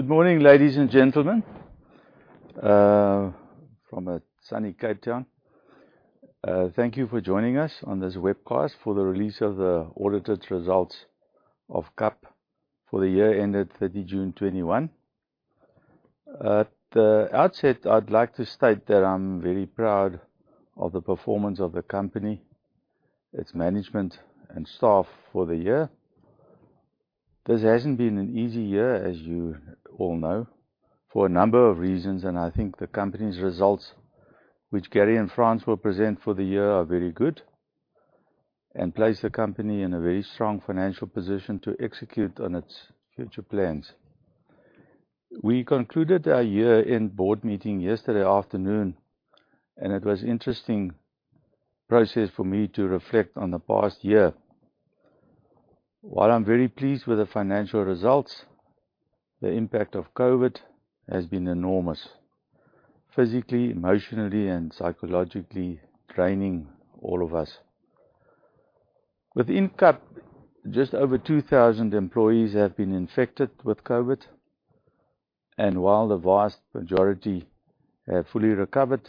Good morning, ladies and gentlemen, from a sunny Cape Town. Thank you for joining us on this webcast for the release of the audited results of KAP for the year ended June 30, 2021. At the outset, I'd like to state that I'm very proud of the performance of the company, its management, and staff for the year. This hasn't been an easy year, as you all know, for a number of reasons, and I think the company's results, which Gary and Frans will present for the year, are very good and place the company in a very strong financial position to execute on its future plans. We concluded our year-end board meeting yesterday afternoon, and it was interesting process for me to reflect on the past year. While I'm very pleased with the financial results, the impact of COVID has been enormous, physically, emotionally, and psychologically draining all of us. Within KAP, just over 2,000 employees have been infected with COVID, and while the vast majority have fully recovered,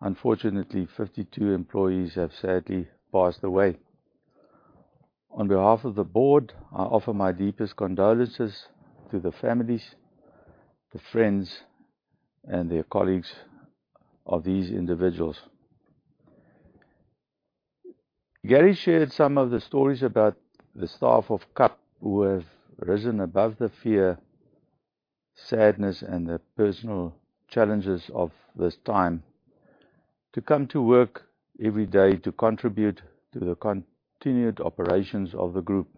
unfortunately, 52 employees have sadly passed away. On behalf of the board, I offer my deepest condolences to the families, the friends, and their colleagues of these individuals. Gary shared some of the stories about the staff of KAP who have risen above the fear, sadness, and the personal challenges of this time to come to work every day to contribute to the continued operations of the group.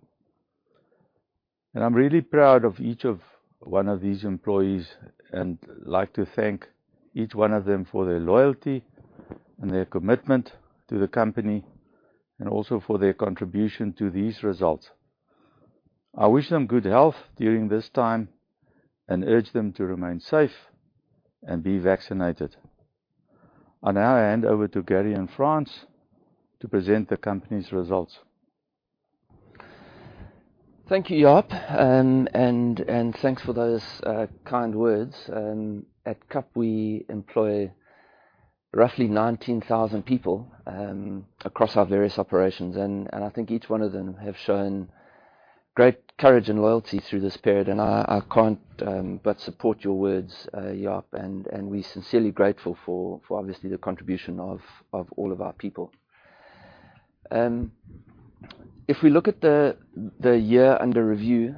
I'm really proud of each of one of these employees and like to thank each one of them for their loyalty and their commitment to the company, and also for their contribution to these results. I wish them good health during this time and urge them to remain safe and be vaccinated. I now hand over to Gary and Frans to present the company's results. Thank you, Jaap, and thanks for those kind words. At KAP, we employ roughly 19,000 people across our various operations, and I think each one of them have shown great courage and loyalty through this period, and I can't but support your words, Jaap, and we're sincerely grateful for obviously the contribution of all of our people. If we look at the year under review,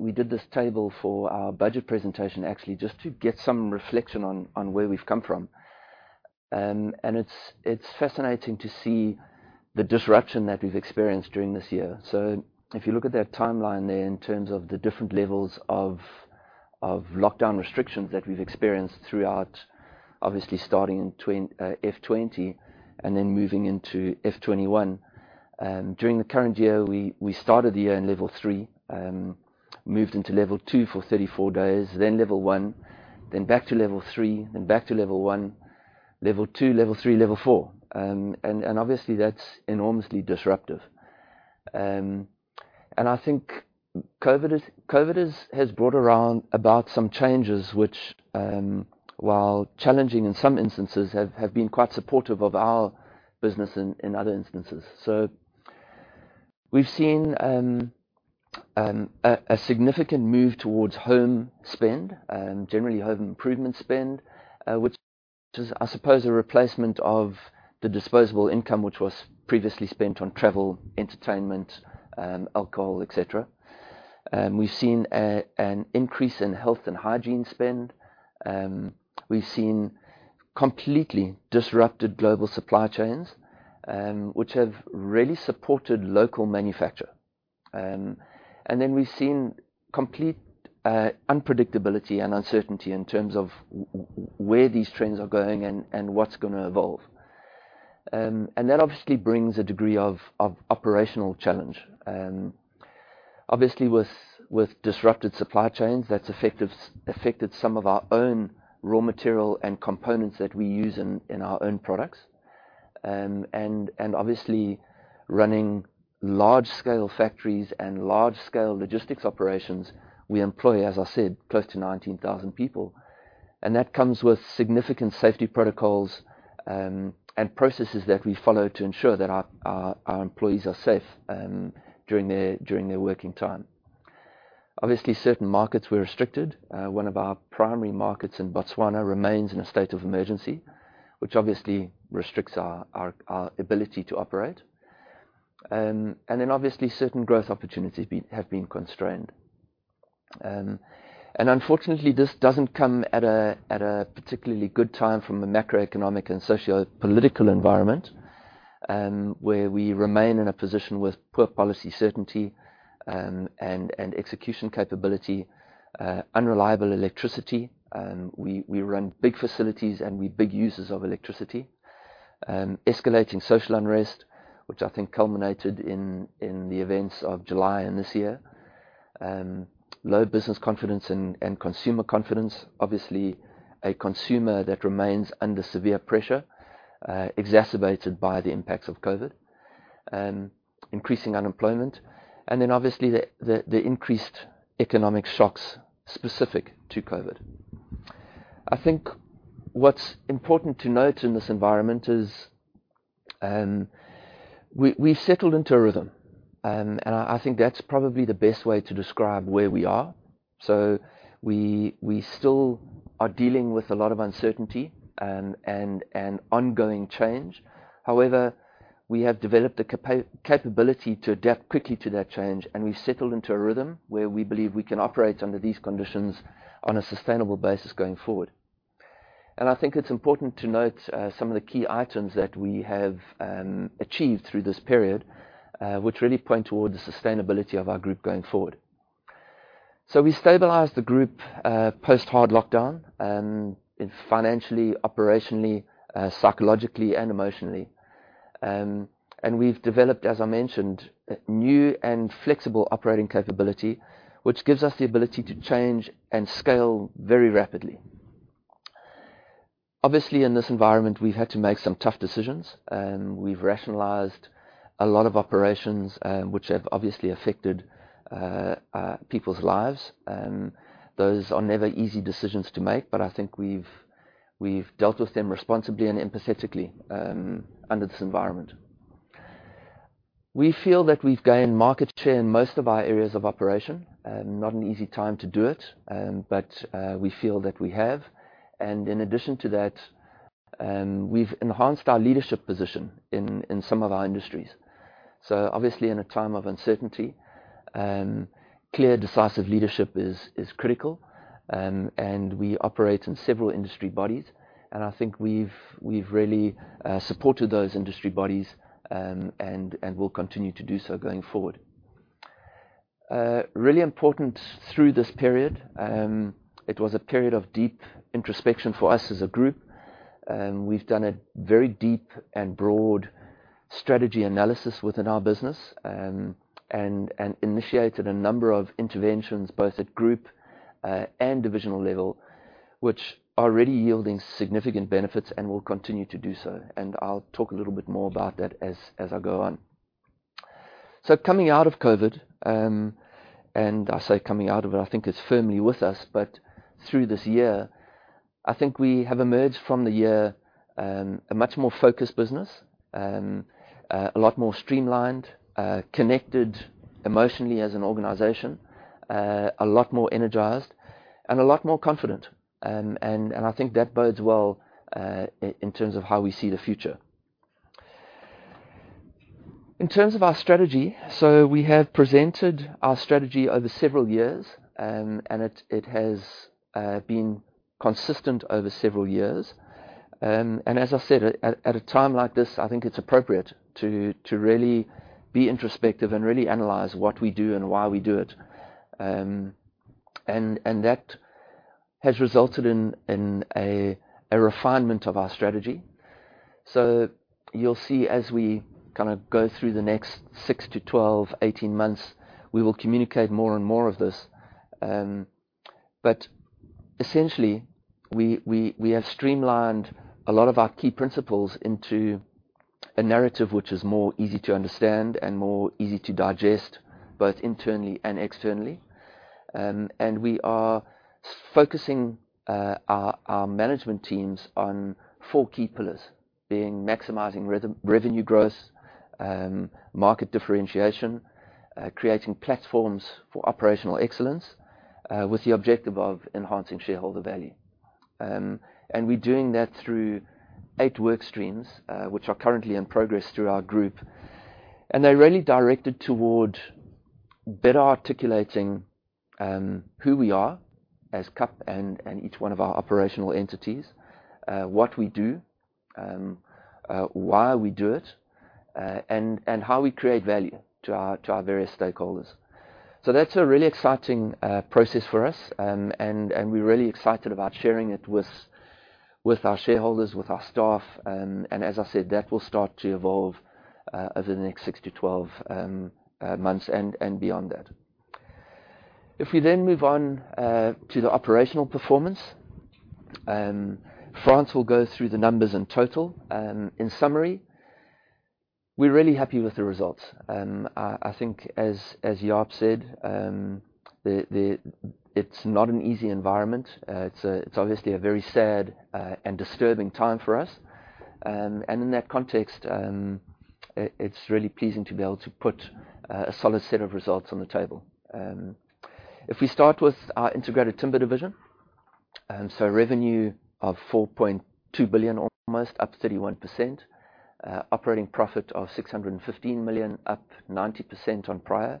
we did this table for our budget presentation, actually, just to get some reflection on where we've come from. It's fascinating to see the disruption that we've experienced during this year. If you look at that timeline there in terms of the different levels of lockdown restrictions that we've experienced throughout, obviously starting in FY 2020 and then moving into FY 2021. During the current year, we started the year in level three, moved into level two for 34 days, then level one, then back to level three, then back to level one, level two, level three, level four. Obviously, that's enormously disruptive. I think COVID has brought around about some changes which, while challenging in some instances, have been quite supportive of our business in other instances. We've seen a significant move towards home spend, generally home improvement spend, which is, I suppose, a replacement of the disposable income which was previously spent on travel, entertainment, alcohol, et cetera. We've seen an increase in health and hygiene spend. We've seen completely disrupted global supply chains, which have really supported local manufacture. Then we've seen complete unpredictability and uncertainty in terms of where these trends are going and what's gonna evolve. That obviously brings a degree of operational challenge. Obviously with disrupted supply chains, that's affected some of our own raw material and components that we use in our own products. Obviously, running large-scale factories and large-scale logistics operations, we employ, as I said, close to 19,000 people. That comes with significant safety protocols, and processes that we follow to ensure that our employees are safe during their working time. Obviously, certain markets were restricted. One of our primary markets in Botswana remains in a state of emergency, which obviously restricts our ability to operate. Obviously certain growth opportunities have been constrained. Unfortunately, this doesn't come at a particularly good time from a macroeconomic and sociopolitical environment, where we remain in a position with poor policy certainty and execution capability, unreliable electricity. We run big facilities, and we're big users of electricity. Escalating social unrest, which I think culminated in the events of July in this year. Low business confidence and consumer confidence. Obviously, a consumer that remains under severe pressure, exacerbated by the impacts of COVID. Increasing unemployment, obviously the increased economic shocks specific to COVID. I think what's important to note in this environment is we've settled into a rhythm, and I think that's probably the best way to describe where we are. We still are dealing with a lot of uncertainty and an ongoing change. However, we have developed the capability to adapt quickly to that change, and we've settled into a rhythm where we believe we can operate under these conditions on a sustainable basis going forward. I think it's important to note some of the key items that we have achieved through this period, which really point towards the sustainability of our group going forward. We stabilized the group post hard lockdown, financially, operationally, psychologically, and emotionally. We've developed, as I mentioned, new and flexible operating capability, which gives us the ability to change and scale very rapidly. Obviously, in this environment, we've had to make some tough decisions. We've rationalized a lot of operations, which have obviously affected people's lives. Those are never easy decisions to make, but I think we've dealt with them responsibly and empathetically under this environment. We feel that we've gained market share in most of our areas of operation. Not an easy time to do it, but we feel that we have. In addition to that, we've enhanced our leadership position in some of our industries. Obviously in a time of uncertainty, clear decisive leadership is critical. We operate in several industry bodies, and I think we've really supported those industry bodies, and will continue to do so going forward. Really important through this period, it was a period of deep introspection for us as a group. We've done a very deep and broad strategy analysis within our business, and initiated a number of interventions both at group and divisional level, which are really yielding significant benefits and will continue to do so. I'll talk a little bit more about that as I go on. Coming out of COVID, and I say coming out of it, I think it's firmly with us, but through this year, I think we have emerged from the year a much more focused business. A lot more streamlined, connected emotionally as an organization, a lot more energized, and a lot more confident. I think that bodes well, in terms of how we see the future. In terms of our strategy, we have presented our strategy over several years, and it has been consistent over several years. As I said, at a time like this, I think it's appropriate to really be introspective and really analyze what we do and why we do it. That has resulted in a refinement of our strategy. You'll see as we go through the next 6-12 months, 18 months, we will communicate more and more of this. Essentially, we have streamlined a lot of our key principles into a narrative which is more easy to understand and more easy to digest, both internally and externally. We are focusing our management teams on four key pillars, being maximizing revenue growth, market differentiation, creating platforms for operational excellence, with the objective of enhancing shareholder value. We're doing that through eight work streams, which are currently in progress through our group. They're really directed toward better articulating who we are as KAP and each one of our operational entities. What we do, why we do it, and how we create value to our various stakeholders. That's a really exciting process for us, and we're really excited about sharing it with our shareholders, with our staff. As I said, that will start to evolve over the next 6-12 months and beyond that. If we then move on to the operational performance. Frans will go through the numbers in total. In summary, we're really happy with the results. I think as Jaap said, it's not an easy environment. It's obviously a very sad and disturbing time for us. In that context, it's really pleasing to be able to put a solid set of results on the table. If we start with our Integrated Timber division. Revenue of 4.2 billion almost, up 31%. Operating profit of 615 million, up 90% on prior,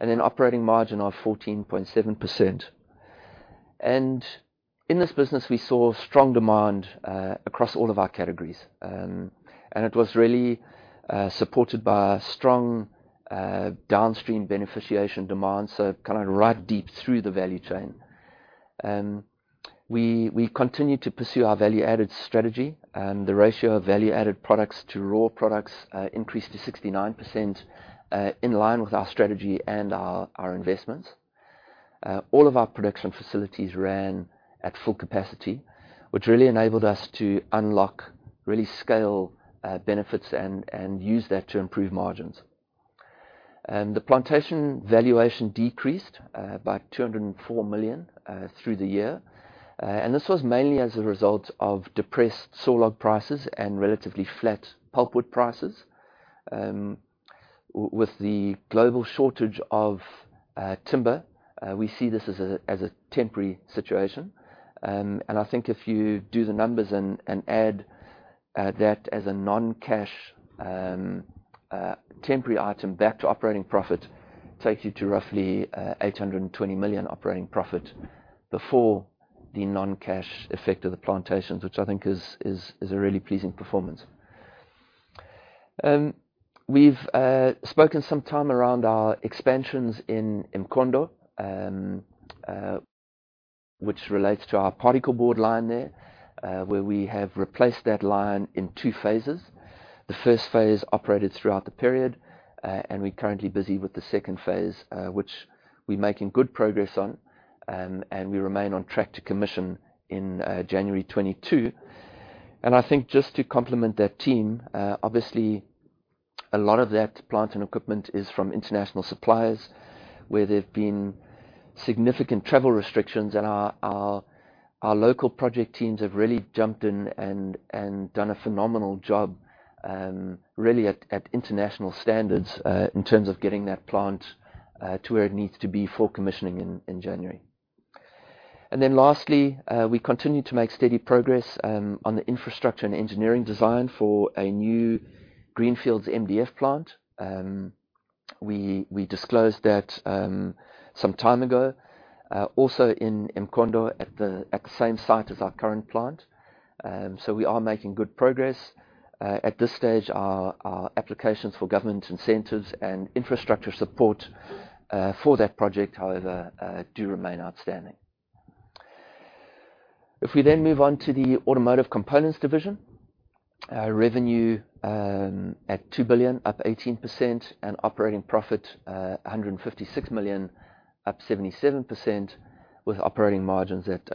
and an operating margin of 14.7%. In this business, we saw strong demand across all of our categories. It was really supported by a strong downstream beneficiation demand, so right deep through the value chain. We continue to pursue our value-added strategy. The ratio of value-added products to raw products increased to 69%, in line with our strategy and our investments. All of our production facilities ran at full capacity, which enabled us to unlock scale benefits and use that to improve margins. The plantation valuation decreased by 204 million through the year. This was mainly as a result of depressed sawlog prices and relatively flat pulpwood prices. With the global shortage of timber, we see this as a temporary situation. I think if you do the numbers and add that as a non-cash temporary item back to operating profit, takes you to roughly 820 million operating profit before the non-cash effect of the plantations, which I think is a really pleasing performance. We've spoken some time around our expansions in Mkhondo, which relates to our particleboard line there where we have replaced that line in two phases. The first phase operated throughout the period. We're currently busy with the second phase, which we're making good progress on, and we remain on track to commission in January 2022. I think just to complement that team, obviously a lot of that plant and equipment is from international suppliers, where there've been significant travel restrictions and our local project teams have really jumped in and done a phenomenal job, really at international standards, in terms of getting that plant to where it needs to be for commissioning in January. Then lastly, we continue to make steady progress on the infrastructure and engineering design for a new greenfields MDF plant. We disclosed that some time ago, also in Mkhondo at the same site as our current plant. We are making good progress. At this stage, our applications for government incentives and infrastructure support for that project, however, do remain outstanding. We then move on to the Automotive Components division, revenue at 2 billion, up 18%, and operating profit, 156 million, up 77%, with operating margins at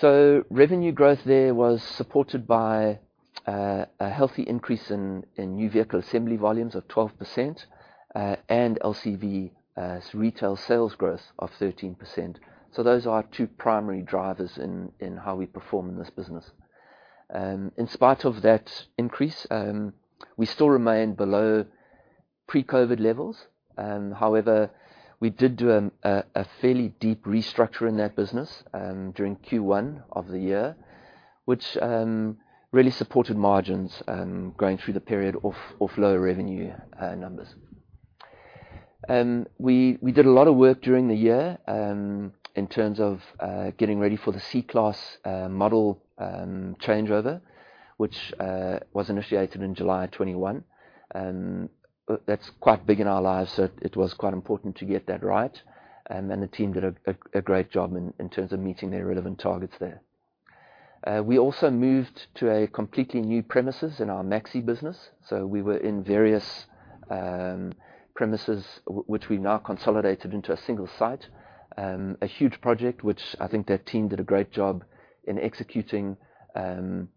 7.7%. Revenue growth there was supported by a healthy increase in new vehicle assembly volumes of 12%, and LCV retail sales growth of 13%. Those are our two primary drivers in how we perform in this business. In spite of that increase, we still remain below pre-COVID levels. We did do a fairly deep restructure in that business during Q1 of the year, which really supported margins going through the period of lower revenue numbers. We did a lot of work during the year in terms of getting ready for the C-Class model changeover, which was initiated in July 2021. That's quite big in our lives, so it was quite important to get that right. The team did a great job in terms of meeting their relevant targets there. We also moved to a completely new premises in our Maxe business. We were in various premises, which we now consolidated into a single site. A huge project, which I think that team did a great job in executing, and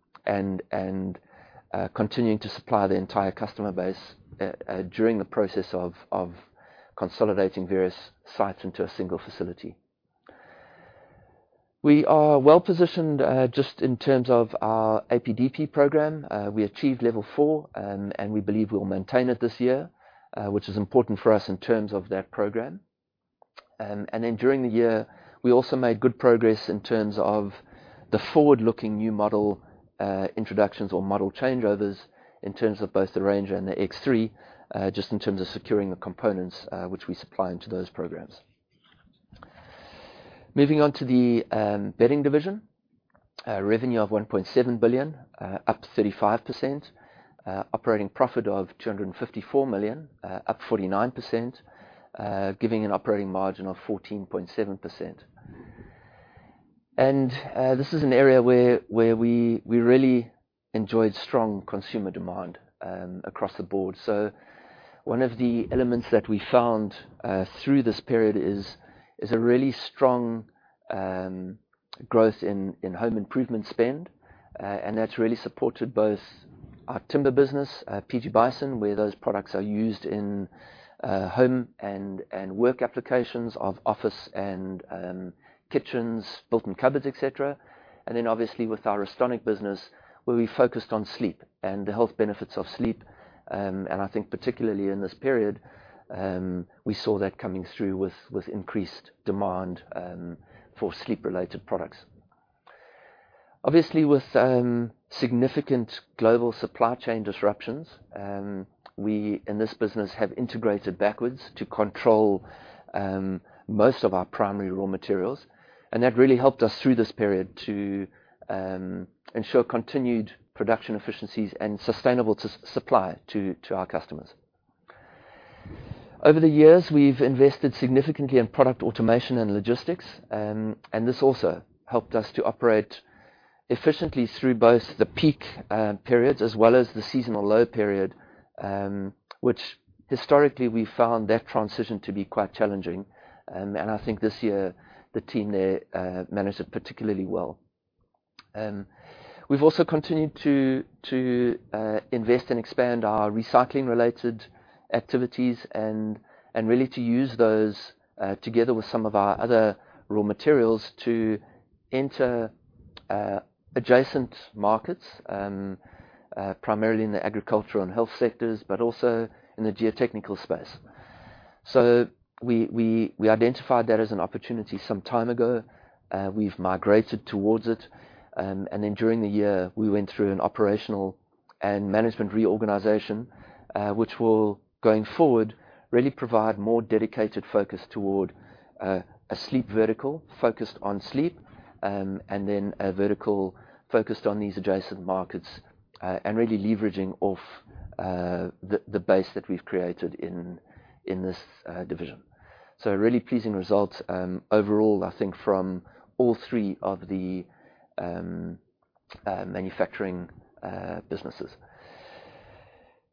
continuing to supply the entire customer base during the process of consolidating various sites into a single facility. We are well-positioned just in terms of our APDP program. We achieved level four, and we believe we will maintain it this year, which is important for us in terms of that program. During the year, we also made good progress in terms of the forward-looking new model introductions or model changeovers in terms of both the Ranger and the X3, just in terms of securing the components which we supply into those programs. Moving on to the Bedding division. Revenue of 1.7 billion, up 35%, operating profit of 254 million, up 49%, giving an operating margin of 14.7%. This is an area where we really enjoyed strong consumer demand across the board. One of the elements that we found through this period is a really strong growth in home improvement spend. That's really supported both our timber business, PG Bison, where those products are used in home and work applications of office and kitchens, built-in cupboards, et cetera. Obviously with our Restonic business, where we focused on sleep and the health benefits of sleep. I think particularly in this period, we saw that coming through with increased demand for sleep-related products. Obviously, with significant global supply chain disruptions, we in this business have integrated backwards to control most of our primary raw materials. That really helped us through this period to ensure continued production efficiencies and sustainable supply to our customers. Over the years, we've invested significantly in product automation and logistics, and this also helped us to operate efficiently through both the peak periods as well as the seasonal low period, which historically we found that transition to be quite challenging. I think this year the team there managed it particularly well. We've also continued to invest and expand our recycling related activities and really to use those together with some of our other raw materials to enter adjacent markets, primarily in the agricultural and health sectors, but also in the geotechnical space. We identified that as an opportunity some time ago. We've migrated towards it, and then during the year, we went through an operational and management reorganization, which will, going forward, really provide more dedicated focus toward a sleep vertical focused on sleep, and then a vertical focused on these adjacent markets, and really leveraging off the base that we've created in this division. Really pleasing results overall, I think from all three of the manufacturing businesses.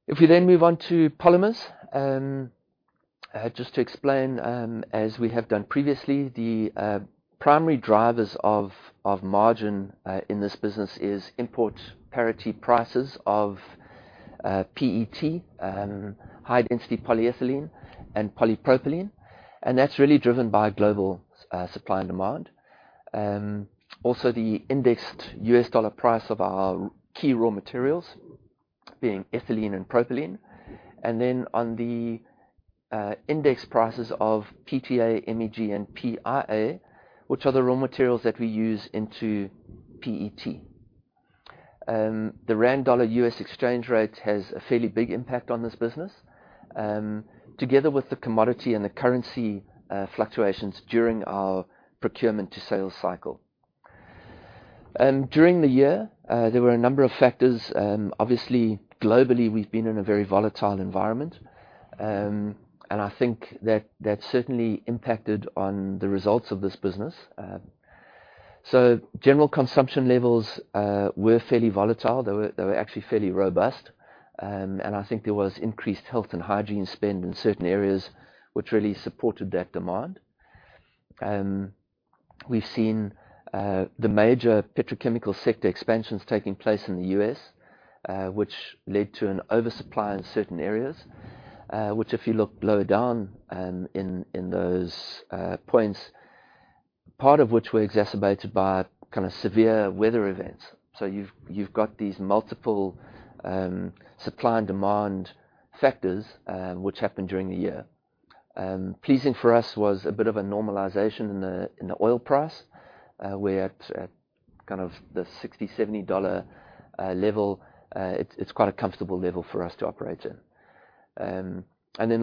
If we move on to polymers, just to explain, as we have done previously, the primary drivers of margin in this business is import parity prices of PET, high-density polyethylene, and polypropylene. That's really driven by global supply and demand. Also, the indexed U.S. dollar price of our key raw materials being ethylene and propylene, on the index prices of PTA, MEG, and PIA, which are the raw materials that we use into PET. The rand dollar US exchange rate has a fairly big impact on this business, together with the commodity and the currency fluctuations during our procurement to sales cycle. During the year, there were a number of factors. Obviously, globally, we've been in a very volatile environment. I think that certainly impacted on the results of this business. General consumption levels were fairly volatile. They were actually fairly robust. I think there was increased health and hygiene spend in certain areas which really supported that demand. We've seen the major petrochemical sector expansions taking place in the U.S., which led to an oversupply in certain areas, which, if you look lower down in those points, part of which were exacerbated by kind of severe weather events. You've got these multiple supply and demand factors which happened during the year. Pleasing for us was a bit of a normalization in the oil price, where at kind of the $60, $70 level, it's quite a comfortable level for us to operate in.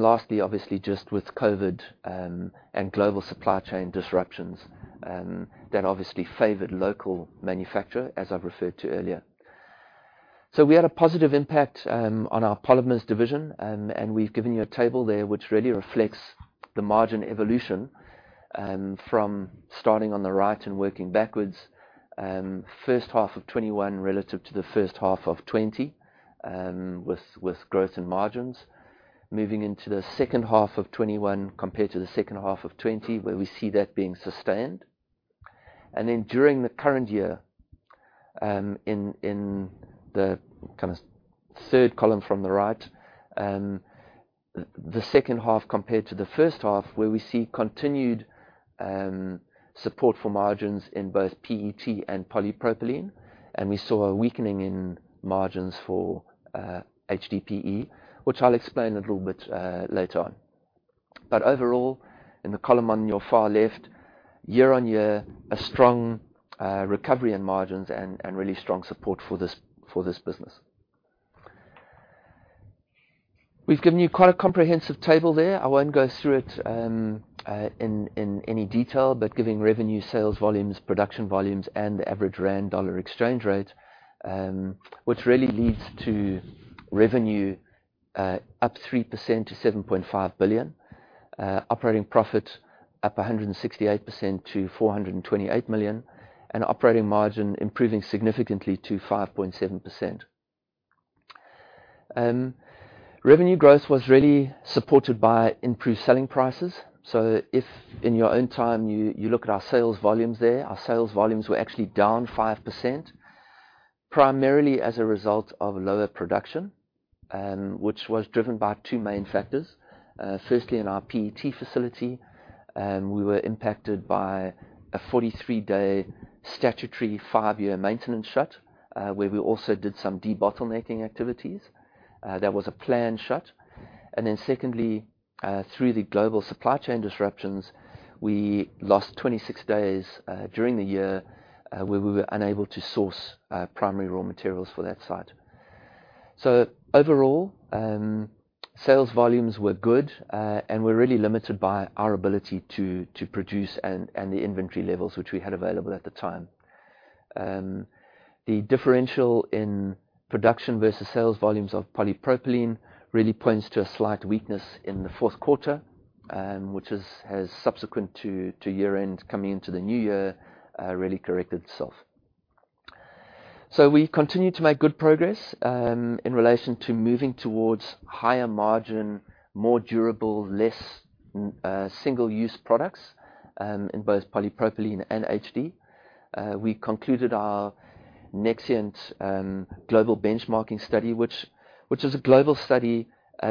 Lastly, obviously just with COVID and global supply chain disruptions, that obviously favored local manufacturer, as I've referred to earlier. We had a positive impact on our Polymers division, and we've given you a table there which really reflects the margin evolution from starting on the right and working backwards. First half of 2021 relative to the first half of 2020, with growth in margins. Moving into the second half of 2021 compared to the second half of 2020, where we see that being sustained. During the current year, in the kind of third column from the right, the second half compared to the first half, where we see continued support for margins in both PET and polypropylene, and we saw a weakening in margins for HDPE, which I'll explain a little bit later on. Overall, in the column on your far left, year-over-year, a strong recovery in margins and really strong support for this business. We've given you quite a comprehensive table there. I won't go through it in any detail, but giving revenue, sales volumes, production volumes, and the average rand dollar exchange rate, which really leads to revenue up 3% to 7.5 billion. Operating profit up 168% to 428 million, and operating margin improving significantly to 5.7%. Revenue growth was really supported by improved selling prices. If in your own time you look at our sales volumes there, our sales volumes were actually down 5%, primarily as a result of lower production, which was driven by two main factors. Firstly, in our PET facility, we were impacted by a 43-day statutory five-year maintenance shut, where we also did some debottlenecking activities. That was a planned shut. Secondly, through the global supply chain disruptions, we lost 26 days during the year, where we were unable to source primary raw materials for that site. Overall, sales volumes were good, and we're really limited by our ability to produce and the inventory levels which we had available at the time. The differential in production versus sales volumes of polypropylene really points to a slight weakness in the fourth quarter which has subsequent to year-end, coming into the new year, really corrected itself. We continue to make good progress in relation to moving towards higher margin, more durable, less single-use products in both polypropylene and HDPE. We concluded our Nexant global benchmarking study, which is a global study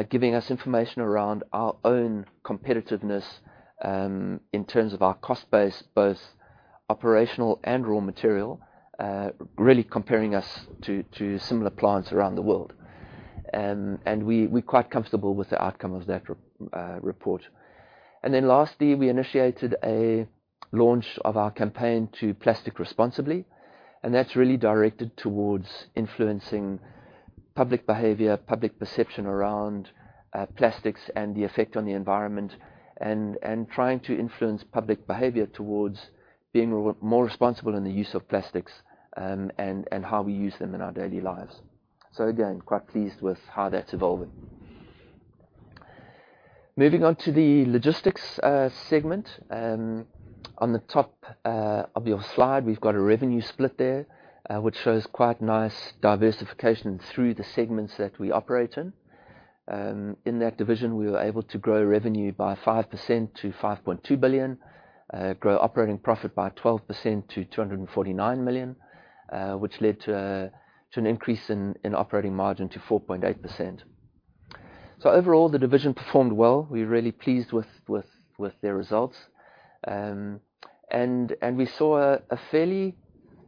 giving us information around our own competitiveness in terms of our cost base, both operational and raw material, really comparing us to similar plants around the world. We're quite comfortable with the outcome of that report. Lastly, we initiated a launch of our campaign to Plastic Responsibly, and that's really directed towards influencing public behavior, public perception around plastics and the effect on the environment, and trying to influence public behavior towards being more responsible in the use of plastics, and how we use them in our daily lives. Again, quite pleased with how that's evolving. Moving on to the logistics segment. On the top of your slide, we've got a revenue split there, which shows quite nice diversification through the segments that we operate in. In that division, we were able to grow revenue by 5% to 5.2 billion, grow operating profit by 12% to 249 million, which led to an increase in operating margin to 4.8%. Overall, the division performed well. We're really pleased with their results. We saw a fairly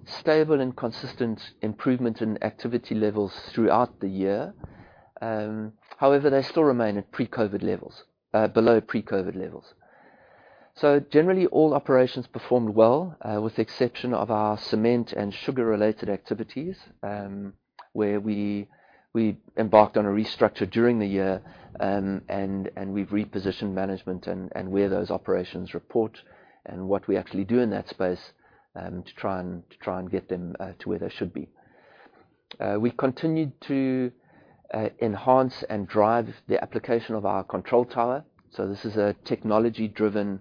stable and consistent improvement in activity levels throughout the year. However, they still remain below pre-COVID levels. Generally, all operations performed well, with the exception of our cement and sugar-related activities, where we embarked on a restructure during the year, and we've repositioned management and where those operations report and what we actually do in that space to try and get them to where they should be. We continued to enhance and drive the application of our control tower. This is a technology-driven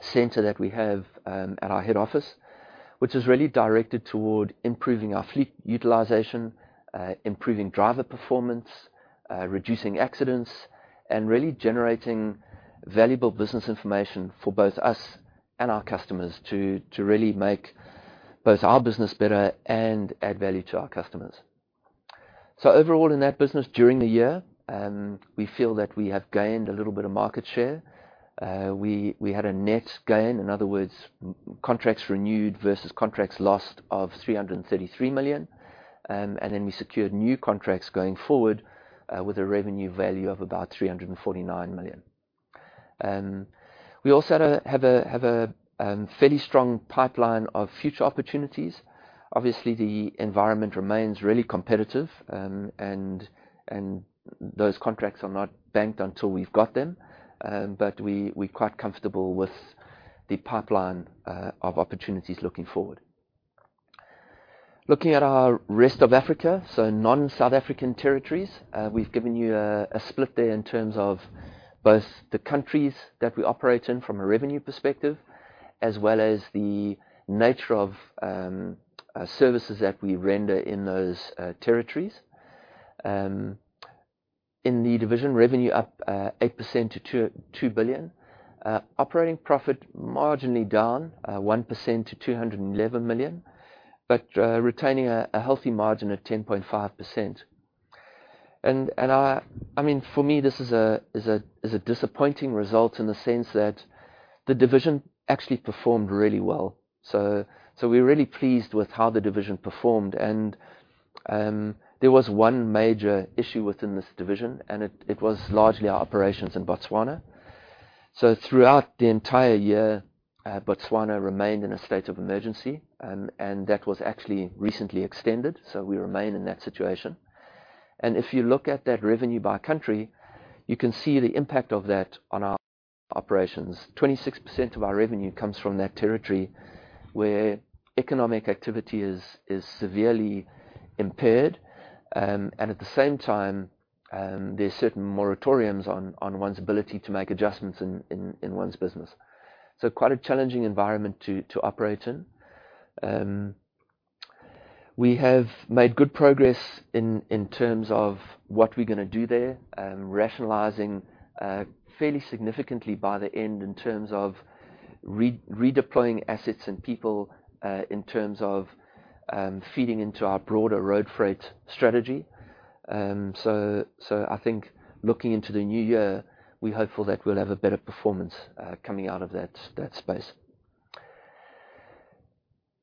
center that we have at our head office, which is really directed toward improving our fleet utilization, improving driver performance, reducing accidents, and really generating valuable business information for both us and our customers to really make both our business better and add value to our customers. Overall in that business during the year, we feel that we have gained a little bit of market share. We had a net gain, in other words, contracts renewed versus contracts lost of 333 million. Then we secured new contracts going forward with a revenue value of about 349 million. We also have a fairly strong pipeline of future opportunities. Obviously, the environment remains really competitive, and those contracts are not banked until we've got them. We're quite comfortable with the pipeline of opportunities looking forward. Looking at our rest of Africa, so non-South African territories, we've given you a split there in terms of both the countries that we operate in from a revenue perspective, as well as the nature of services that we render in those territories. In the division, revenue up 8% to 2 billion. Operating profit marginally down 1% to 211 million, but retaining a healthy margin of 10.5%. For me, this is a disappointing result in the sense that the division actually performed really well. We're really pleased with how the division performed, and there was one major issue within this division, and it was largely our operations in Botswana. Throughout the entire year, Botswana remained in a state of emergency, and that was actually recently extended, so we remain in that situation. If you look at that revenue by country, you can see the impact of that on our operations. 26% of our revenue comes from that territory, where economic activity is severely impaired, and at the same time, there's certain moratoriums on one's ability to make adjustments in one's business. Quite a challenging environment to operate in. We have made good progress in terms of what we're going to do there, rationalizing fairly significantly by the end in terms of redeploying assets and people in terms of feeding into our broader road freight strategy. I think looking into the new year, we're hopeful that we'll have a better performance coming out of that space.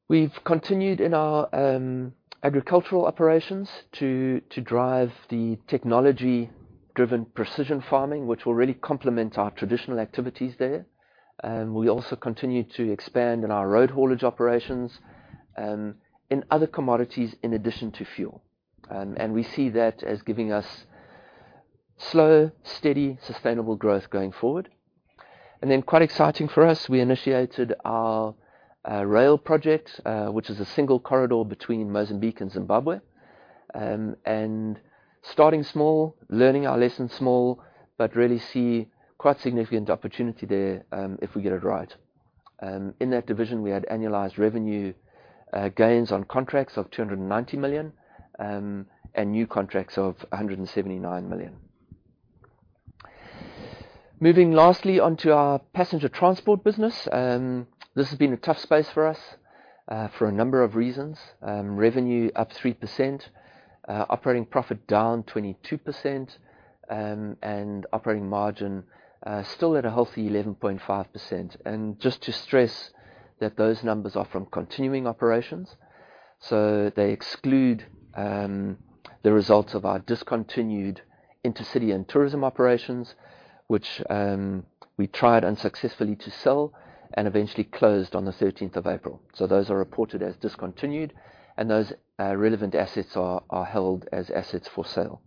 We've continued in our agricultural operations to drive the technology-driven precision farming, which will really complement our traditional activities there. We also continue to expand in our road haulage operations in other commodities in addition to fuel. We see that as giving us slow, steady, sustainable growth going forward. Then quite exciting for us, we initiated our rail project, which is a single corridor between Mozambique and Zimbabwe. Starting small, learning our lessons small, but really see quite significant opportunity there if we get it right. In that division, we had annualized revenue gains on contracts of 290 million, and new contracts of 179 million. Moving lastly onto our passenger transport business. This has been a tough space for us, for a number of reasons. Revenue up 3%, operating profit down 22%, and operating margin still at a healthy 11.5%. Just to stress that those numbers are from continuing operations. They exclude the results of our discontinued intercity and tourism operations, which we tried unsuccessfully to sell and eventually closed on the 13th of April. Those are reported as discontinued, and those relevant assets are held as assets for sale.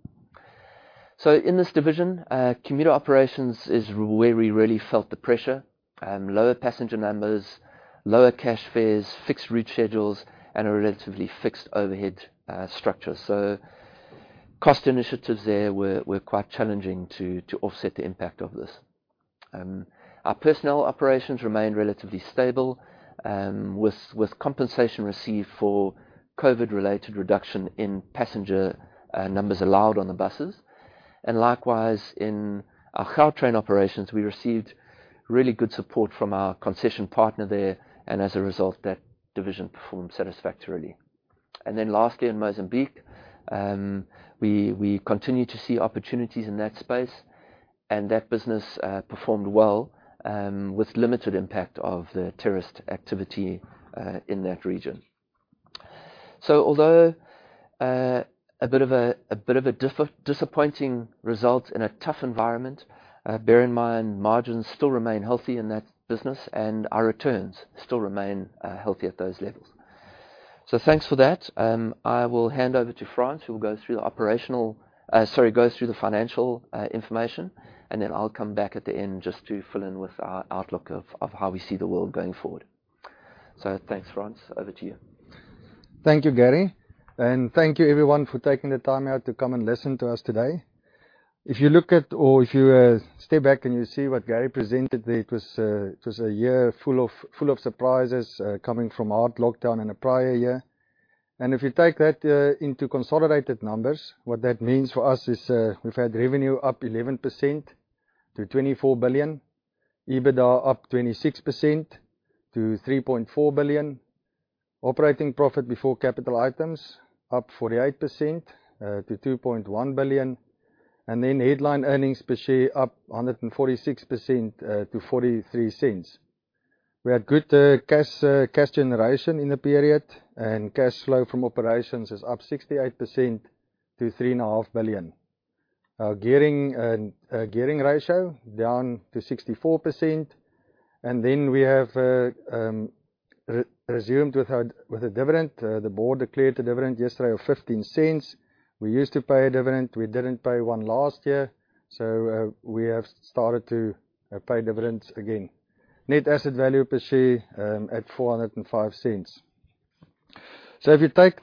In this division, commuter operations is where we really felt the pressure. Lower passenger numbers, lower cash fares, fixed route schedules, and a relatively fixed overhead structure. Cost initiatives there were quite challenging to offset the impact of this. Our personnel operations remained relatively stable, with compensation received for COVID-related reduction in passenger numbers allowed on the buses. Likewise, in our rail train operations, we received really good support from our concession partner there, as a result, that division performed satisfactorily. Lastly, in Mozambique, we continue to see opportunities in that space, and that business performed well, with limited impact of the terrorist activity in that region. Although a bit of a disappointing result in a tough environment, bear in mind margins still remain healthy in that business and our returns still remain healthy at those levels. Thanks for that. I will hand over to Frans, who will go through the financial information, and then I'll come back at the end just to fill in with our outlook of how we see the world going forward. Thanks, Frans. Over to you. Thank you, Gary, and thank you everyone for taking the time out to come and listen to us today. If you look at or if you step back and you see what Gary presented there, it was a year full of surprises coming from hard lockdown in the prior year. If you take that into consolidated numbers, what that means for us is, we've had revenue up 11% to 24 billion. EBITDA up 26% to 3.4 billion. Operating profit before capital items up 48% to 2.1 billion. Headline earnings per share up 146% to 0.43. We had good cash generation in the period, and cash flow from operations is up 68% to 3.5 billion. Our gearing ratio down to 64%. We have resumed with a dividend. The board declared a dividend yesterday of 0.15. We used to pay a dividend. We didn't pay one last year, so we have started to pay dividends again. Net asset value per share at 4.05. If you take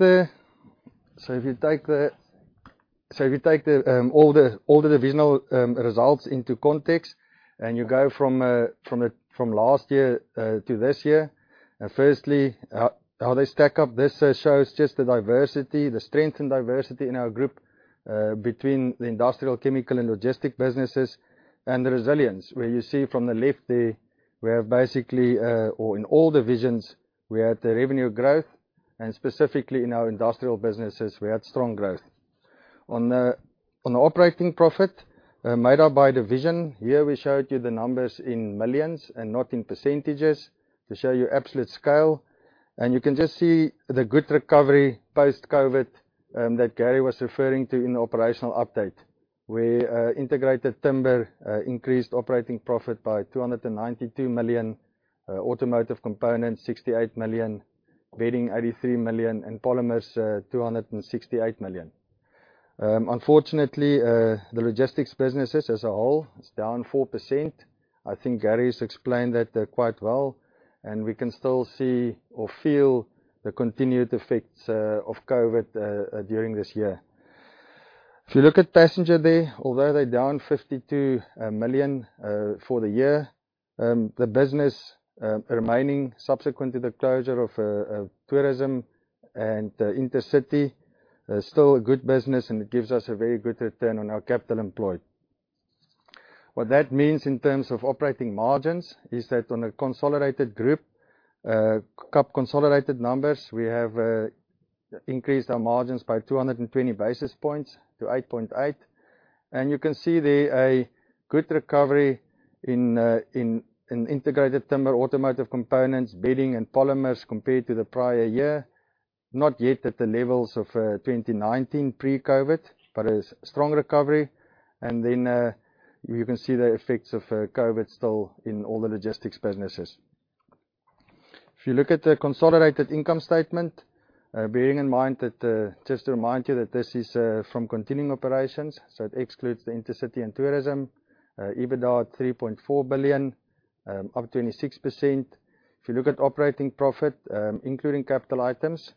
all the divisional results into context, and you go from last year to this year. Firstly, how they stack up, this shows just the diversity, the strength, and diversity in our group, between the industrial, chemical, and logistics businesses, and the resilience, where you see from the left there, we have basically or in all divisions we had revenue growth, and specifically in our industrial businesses we had strong growth. On the operating profit made up by division. Here we showed you the numbers in millions and not in percentages to show you absolute scale. You can just see the good recovery post-COVID that Gary was referring to in the operational update, where Integrated Timber increased operating profit by 292 million, Automotive Components 68 million, Bedding 83 million, and Polymers 268 million. Unfortunately, the logistics businesses as a whole is down 4%. I think Gary's explained that quite well. We can still see or feel the continued effects of COVID during this year. If you look at Passenger there, although they're down 52 million for the year. The business remaining subsequent to the closure of tourism and intercity is still a good business, and it gives us a very good return on our capital employed. What that means in terms of operating margins is that on a consolidated group, KAP consolidated numbers, we have increased our margins by 220 basis points to 8.8%. You can see there a good recovery in Integrated Timber, Automotive Components, Bedding, and Polymers compared to the prior year. Not yet at the levels of 2019 pre-COVID, a strong recovery. You can see the effects of COVID still in all the logistics businesses. If you look at the consolidated income statement, bearing in mind that, just to remind you, that this is from continuing operations, it excludes the intercity and tourism. EBITDA at 3.4 billion, up 26%. If you look at operating profit, including capital items,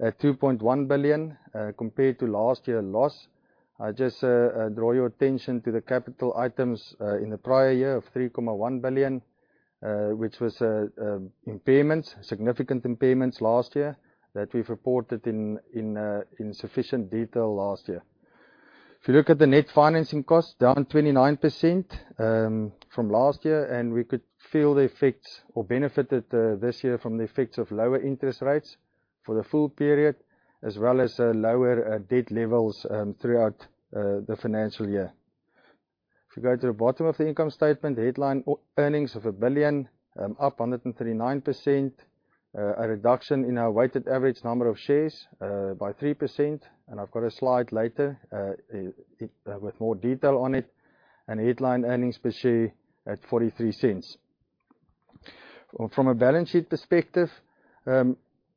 at 2.1 billion compared to last year's loss. I just draw your attention to the capital items in the prior year of 3.1 billion, which was impairments, significant impairments last year that we've reported in sufficient detail last year. If you look at the net financing cost, down 29% from last year, and we could feel the effects or benefited this year from the effects of lower interest rates for the full period, as well as lower debt levels throughout the financial year. If you go to the bottom of the income statement, headline earnings of 1 billion, up 139%. A reduction in our weighted average number of shares by 3%, and I've got a slide later with more detail on it, and headline earnings per share at 0.43. From a balance sheet perspective,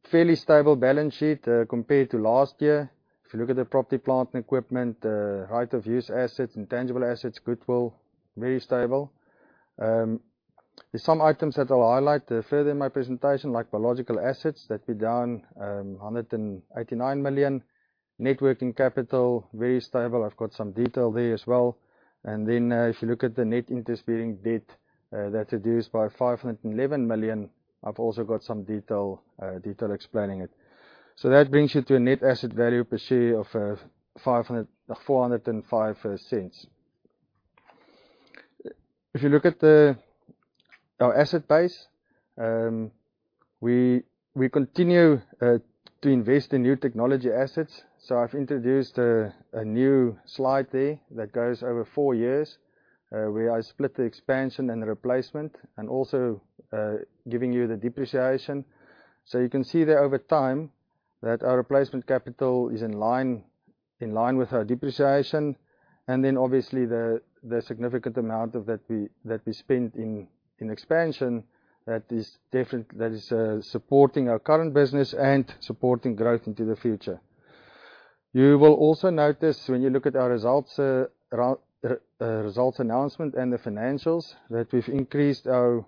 fairly stable balance sheet compared to last year. If you look at the property, plant, and equipment, right of use assets, intangible assets, goodwill, very stable. There's some items that I'll highlight further in my presentation, like biological assets, that'd be down 189 million. Net working capital, very stable. I've got some detail there as well. If you look at the net interest-bearing debt, that reduced by 511 million. I've also got some detail explaining it. That brings you to a net asset value per share of 4.05. If you look at our asset base, we continue to invest in new technology assets. I've introduced a new slide there that goes over four years, where I split the expansion and the replacement, and also giving you the depreciation. You can see there over time, that our replacement capital is in line with our depreciation. Obviously the significant amount of that we spent in expansion, that is supporting our current business and supporting growth into the future. You will also notice when you look at our results announcement and the financials, that we've increased our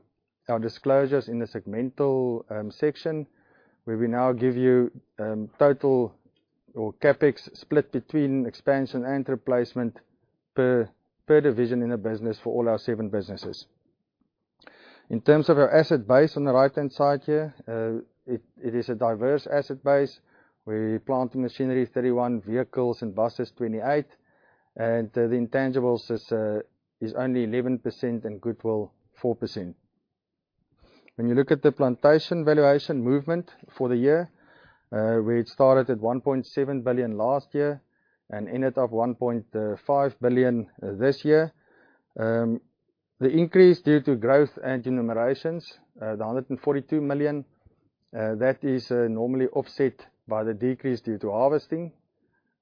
disclosures in the segmental section, where we now give you total or CapEx split between expansion and replacement per division in a business for all our seven businesses. In terms of our asset base on the right-hand side here, it is a diverse asset base, where plant and machinery is 31%, vehicles and buses 28%, and the intangibles is only 11%, and goodwill 4%. When you look at the plantation valuation movement for the year, we had started at 1.7 billion last year and ended up 1.5 billion this year. The increase due to growth and revaluations, the 142 million, that is normally offset by the decrease due to harvesting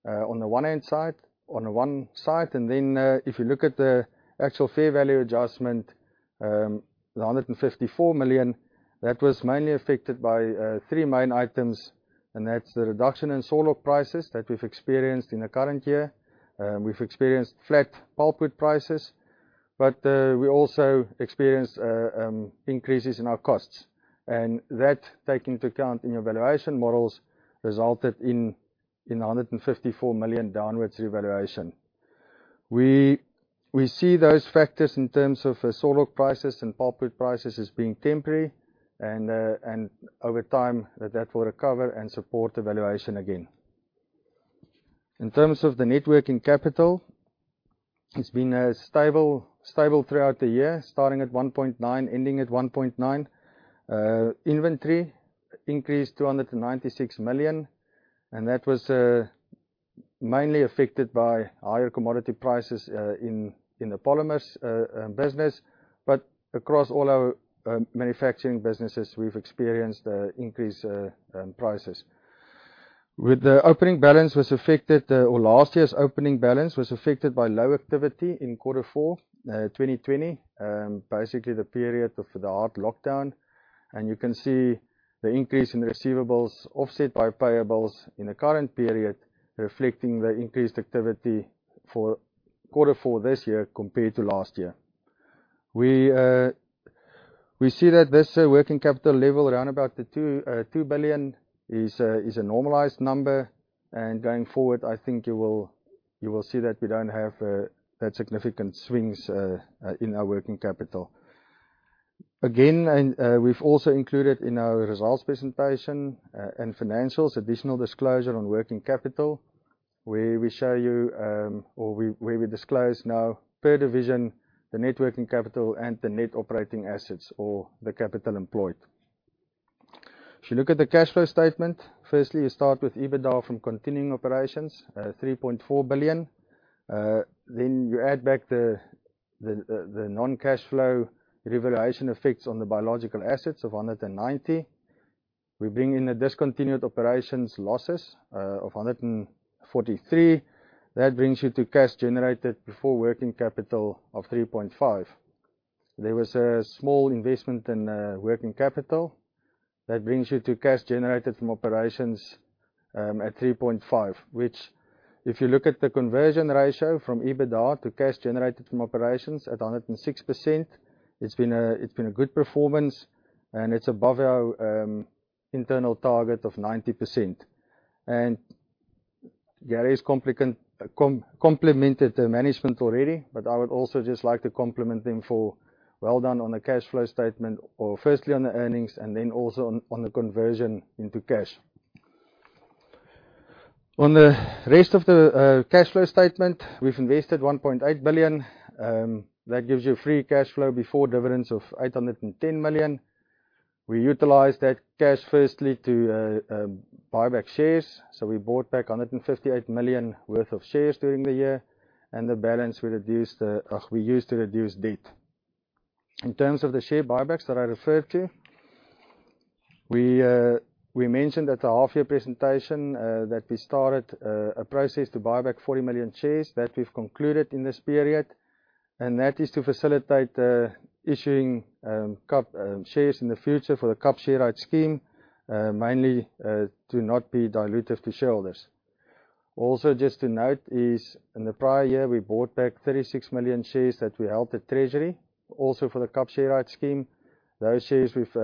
on one side. If you look at the actual fair value adjustment, the 154 million, that was mainly affected by three main items, and that's the reduction in sawlog prices that we've experienced in the current year. We've experienced flat pulpwood prices, we also experienced increases in our costs. That, take into account in your valuation models, resulted in 154 million downward revaluation. We see those factors in terms of sawlog prices and pulpwood prices as being temporary, over time that will recover and support the valuation again. In terms of the net working capital, it's been stable throughout the year, starting at 1.9, ending at 1.9. Inventory increased to 296 million, that was mainly affected by higher commodity prices in the polymers business. Across all our manufacturing businesses, we've experienced increase in prices. With the opening balance was affected, or last year's opening balance was affected by low activity in quarter four 2020. Basically, the period of the hard lockdown. You can see the increase in receivables offset by payables in the current period, reflecting the increased activity for quarter four this year compared to last year. We see that this working capital level around about the 2 billion is a normalized number. Going forward, I think you will see that we don't have that significant swings in our working capital. Again, we've also included in our results presentation and financials, additional disclosure on working capital, where we show you or where we disclose now per division, the net working capital and the net operating assets or the capital employed. If you look at the cash flow statement, firstly, you start with EBITDA from continuing operations, 3.4 billion. You add back the non-cash flow revaluation effects on the biological assets of 190. We bring in the discontinued operations losses of 143. That brings you to cash generated before working capital of 3.5. There was a small investment in working capital. That brings you to cash generated from operations at 3.5. Which, if you look at the conversion ratio from EBITDA to cash generated from operations at 106%, it's been a good performance, and it's above our internal target of 90%. Gary's complimented the management already, but I would also just like to compliment them for well done on the cash flow statement, or firstly on the earnings, and then also on the conversion into cash. On the rest of the cash flow statement, we've invested 1.8 billion. That gives you free cash flow before dividends of 810 million. We utilized that cash firstly to buy back shares. We bought back 158 million worth of shares during the year, and the balance we used to reduce debt. In terms of the share buybacks that I referred to, we mentioned at the half-year presentation that we started a process to buy back 40 million shares. That we've concluded in this period, and that is to facilitate the issuing shares in the future for the KAP share rights scheme, mainly, to not be dilutive to shareholders. Also, just to note is in the prior year, we bought back 36 million shares that we held at treasury, also for the KAP share rights scheme. Those shares we've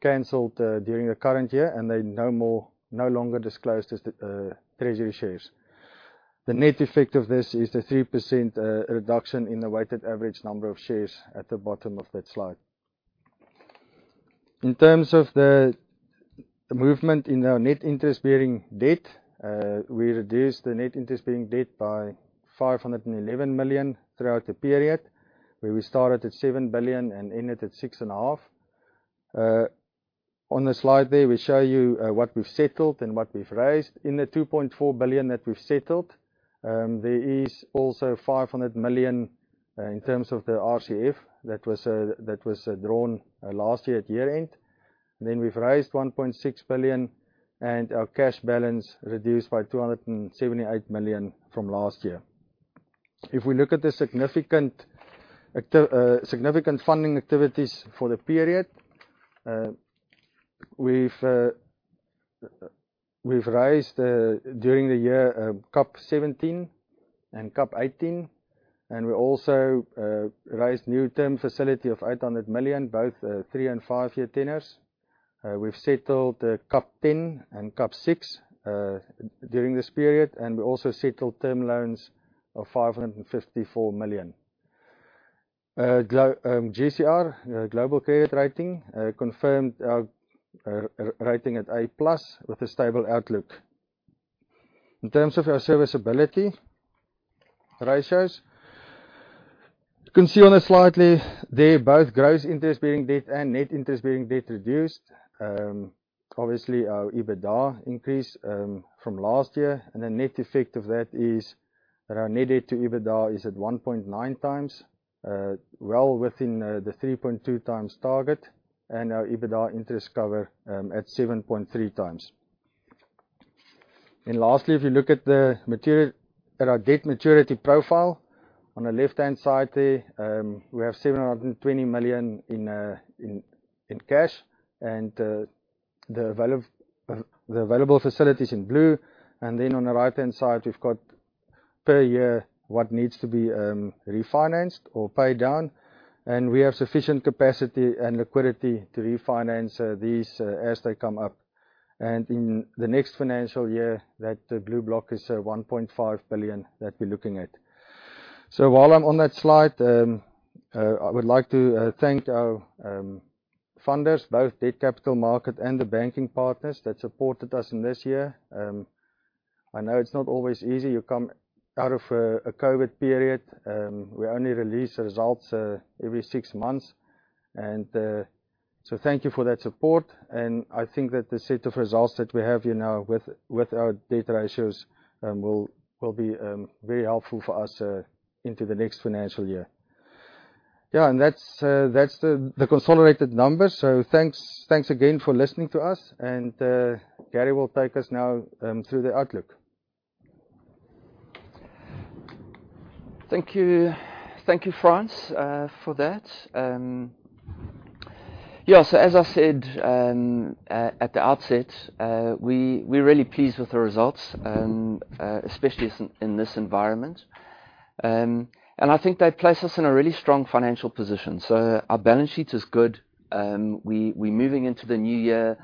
canceled during the current year, and they're no longer disclosed as treasury shares. The net effect of this is the 3% reduction in the weighted average number of shares at the bottom of that slide. In terms of the movement in our net interest-bearing debt, we reduced the net interest-bearing debt by 511 million throughout the period, where we started at 7 billion and ended at 6.5 billion. On the slide there, we show you what we've settled and what we've raised. In the 2.4 billion that we've settled, there is also 500 million in terms of the RCF that was drawn last year at year-end. We've raised 1.6 billion, and our cash balance reduced by 278 million from last year. If we look at the significant funding activities for the period, we've raised, during the year, KAP 17 and KAP 18, and we also raised new term facility of 800 million, both three and five-year tenors. We've settled KAP 10 and KAP 6 during this period, and we also settled term loans of 554 million. GCR, Global Credit Rating, confirmed our rating at A+ with a stable outlook. In terms of our serviceability ratios, you can see on the slide there, both gross interest-bearing debt and net interest-bearing debt reduced. Obviously, our EBITDA increased from last year, and the net effect of that is that our net debt to EBITDA is at 1.9x, well within the 3.2x target, and our EBITDA interest cover at 7.3x. Lastly, if you look at our debt maturity profile, on the left-hand side there, we have 720 million in cash and the available facilities in blue. Then on the right-hand side, we've got per year what needs to be refinanced or paid down. We have sufficient capacity and liquidity to refinance these as they come up. In the next financial year, that blue block is 1.5 billion that we're looking at. While I'm on that slide, I would like to thank our funders, both debt capital market and the banking partners that supported us in this year. I know it's not always easy. You come out of a COVID period. We only release results every six months. Thank you for that support, and I think that the set of results that we have here now with our debt ratios will be very helpful for us into the next financial year. Yeah. That's the consolidated numbers. Thanks again for listening to us, and Gary will take us now through the outlook. Thank you. Thank you, Frans, for that. Yeah. As I said at the outset, we're really pleased with the results, especially in this environment. I think they place us in a really strong financial position. Our balance sheet is good. We're moving into the new year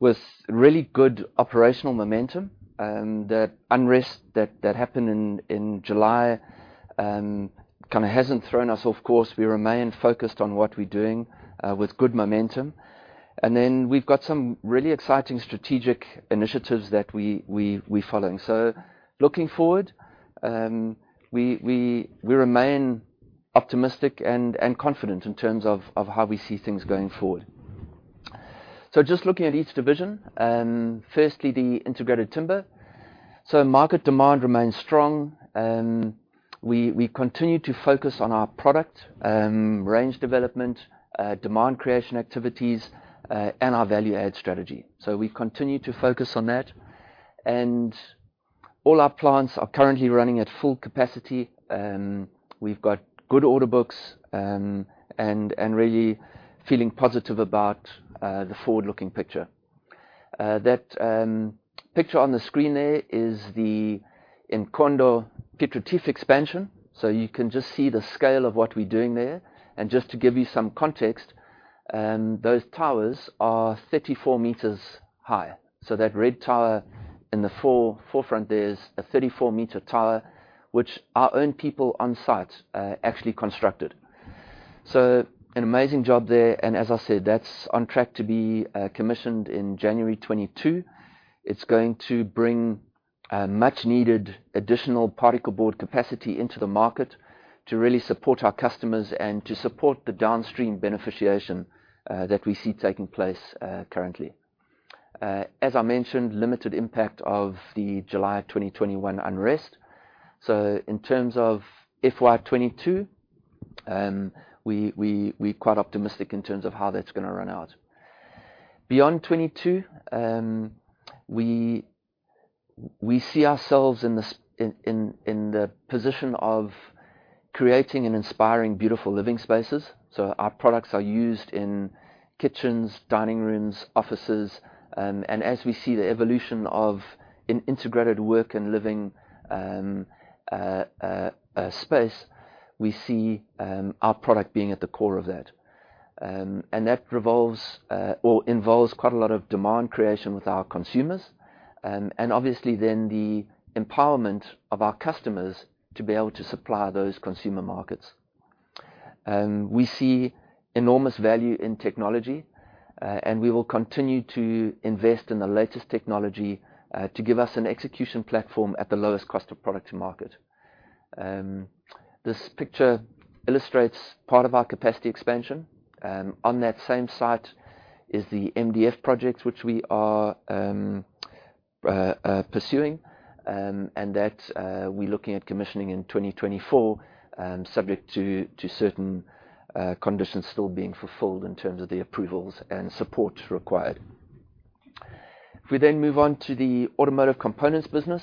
with really good operational momentum. That unrest that happened in July kind of hasn't thrown us off course. We remain focused on what we're doing with good momentum. Then we've got some really exciting strategic initiatives that we're following. Looking forward, we remain optimistic and confident in terms of how we see things going forward. Just looking at each division. Firstly, the Integrated Timber. Market demand remains strong. We continue to focus on our product range development, demand creation activities, and our value add strategy. We continue to focus on that, and all our plants are currently running at full capacity. We've got good order books, and really feeling positive about the forward-looking picture. That picture on the screen there is the Mkhondo Piet Retief expansion. You can just see the scale of what we're doing there. Just to give you some context, those towers are 34 meters high. That red tower in the forefront there is a 34-meter tower, which our own people on site actually constructed. An amazing job there. As I said, that's on track to be commissioned in January 2022. It's going to bring much needed additional particleboard capacity into the market to really support our customers and to support the downstream beneficiation that we see taking place currently. As I mentioned, limited impact of the July 2021 unrest. In terms of FY 2022, we're quite optimistic in terms of how that's going to run out. Beyond 2022, we see ourselves in the position of creating and inspiring beautiful living spaces. Our products are used in kitchens, dining rooms, offices, and as we see the evolution of an integrated work and living space, we see our product being at the core of that. That revolves, or involves quite a lot of demand creation with our consumers, and obviously then the empowerment of our customers to be able to supply those consumer markets. We see enormous value in technology, and we will continue to invest in the latest technology, to give us an execution platform at the lowest cost of product to market. This picture illustrates part of our capacity expansion. On that same site is the MDF project, which we are pursuing, and that we're looking at commissioning in 2024, subject to certain conditions still being fulfilled in terms of the approvals and support required. If we then move on to the Automotive Components business.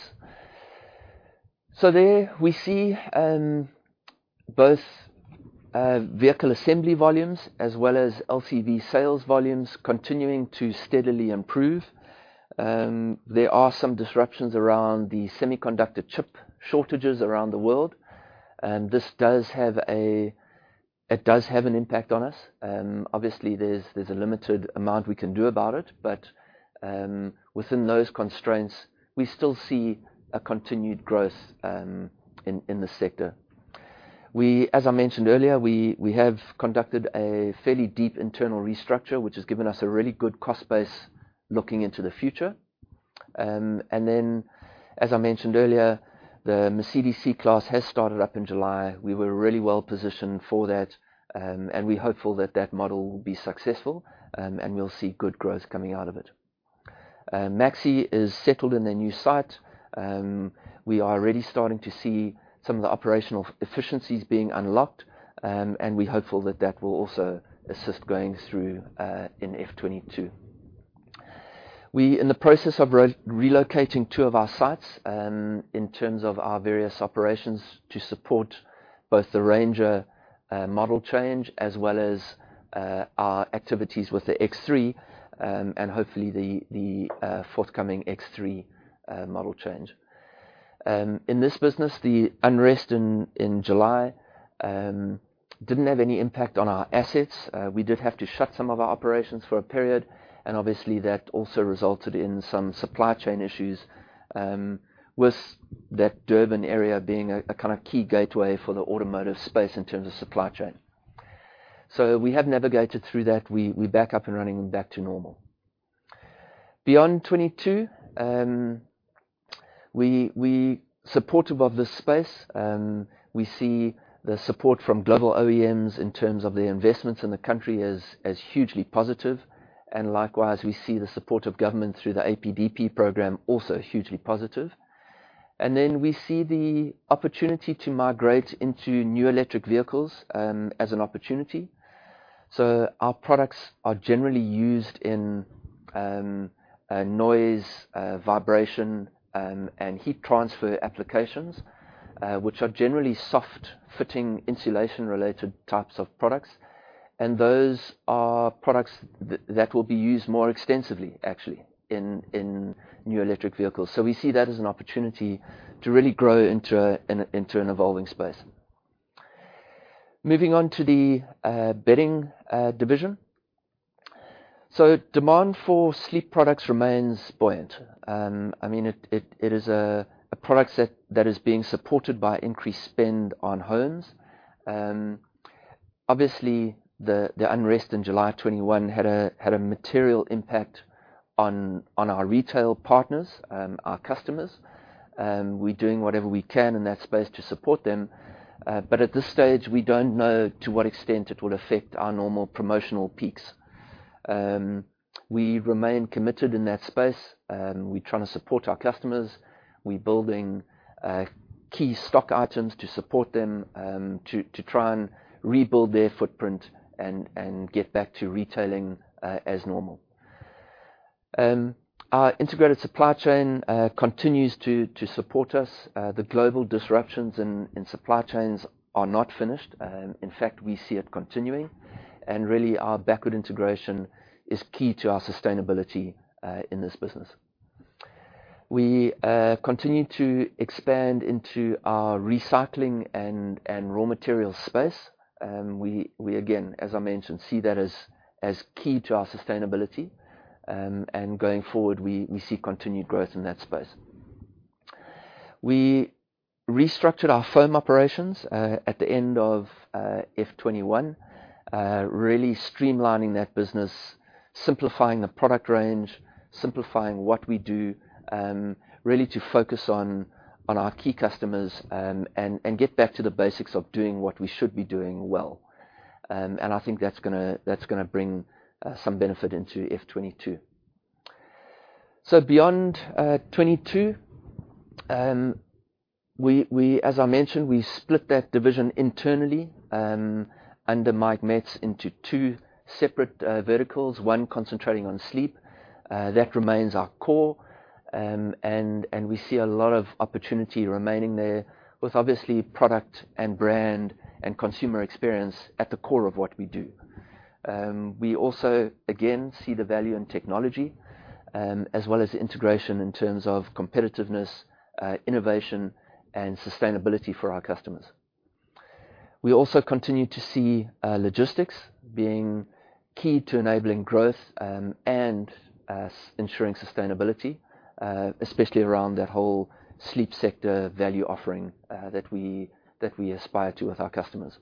There we see both vehicle assembly volumes as well as LCV sales volumes continuing to steadily improve. There are some disruptions around the semiconductor chip shortages around the world. It does have an impact on us. Obviously, there's a limited amount we can do about it, but within those constraints, we still see a continued growth in this sector. As I mentioned earlier, we have conducted a fairly deep internal restructure, which has given us a really good cost base looking into the future. As I mentioned earlier, the Mercedes C-Class has started up in July. We were really well positioned for that, and we're hopeful that that model will be successful, and we'll see good growth coming out of it. Maxe is settled in their new site. We are already starting to see some of the operational efficiencies being unlocked, and we're hopeful that that will also assist going through in FY 2022. We are in the process of relocating two of our sites in terms of our various operations to support both the Ranger model change as well as our activities with the X3, and hopefully the forthcoming X3 model change. In this business, the unrest in July didn't have any impact on our assets. We did have to shut some of our operations for a period, obviously that also resulted in some supply chain issues with that Durban area being a kind of key gateway for the automotive space in terms of supply chain. We have navigated through that. We're back up and running and back to normal. Beyond 2022, we supportive of this space. We see the support from global OEMs in terms of their investments in the country as hugely positive, likewise, we see the support of government through the APDP program also hugely positive. We see the opportunity to migrate into new electric vehicles as an opportunity. Our products are generally used in noise, vibration, and heat transfer applications, which are generally soft-fitting insulation related types of products, those are products that will be used more extensively, actually, in new electric vehicles. We see that as an opportunity to really grow into an evolving space. Moving on to the Bedding division. Demand for sleep products remains buoyant. It is a product set that is being supported by increased spend on homes. Obviously, the unrest in July of 2021 had a material impact on our retail partners, our customers. We are doing whatever we can in that space to support them. At this stage, we do not know to what extent it will affect our normal promotional peaks. We remain committed in that space. We are trying to support our customers. We are building key stock items to support them, to try and rebuild their footprint and get back to retailing as normal. Our integrated supply chain continues to support us. The global disruptions in supply chains are not finished. In fact, we see it continuing, and really our backward integration is key to our sustainability in this business. We continue to expand into our recycling and raw material space. We, again, as I mentioned, see that as key to our sustainability. Going forward, we see continued growth in that space. We restructured our foam operations at the end of FY 2021, really streamlining that business, simplifying the product range, simplifying what we do, really to focus on our key customers and get back to the basics of doing what we should be doing well. I think that's going to bring some benefit into FY 2022. Beyond 2022, as I mentioned, we split that division internally under Mike Metz into two separate verticals, one concentrating on sleep. That remains our core, and we see a lot of opportunity remaining there with obviously product and brand and consumer experience at the core of what we do. We also, again, see the value in technology, as well as integration in terms of competitiveness, innovation, and sustainability for our customers. We also continue to see logistics being key to enabling growth and ensuring sustainability, especially around that whole sleep sector value offering that we aspire to with our customers.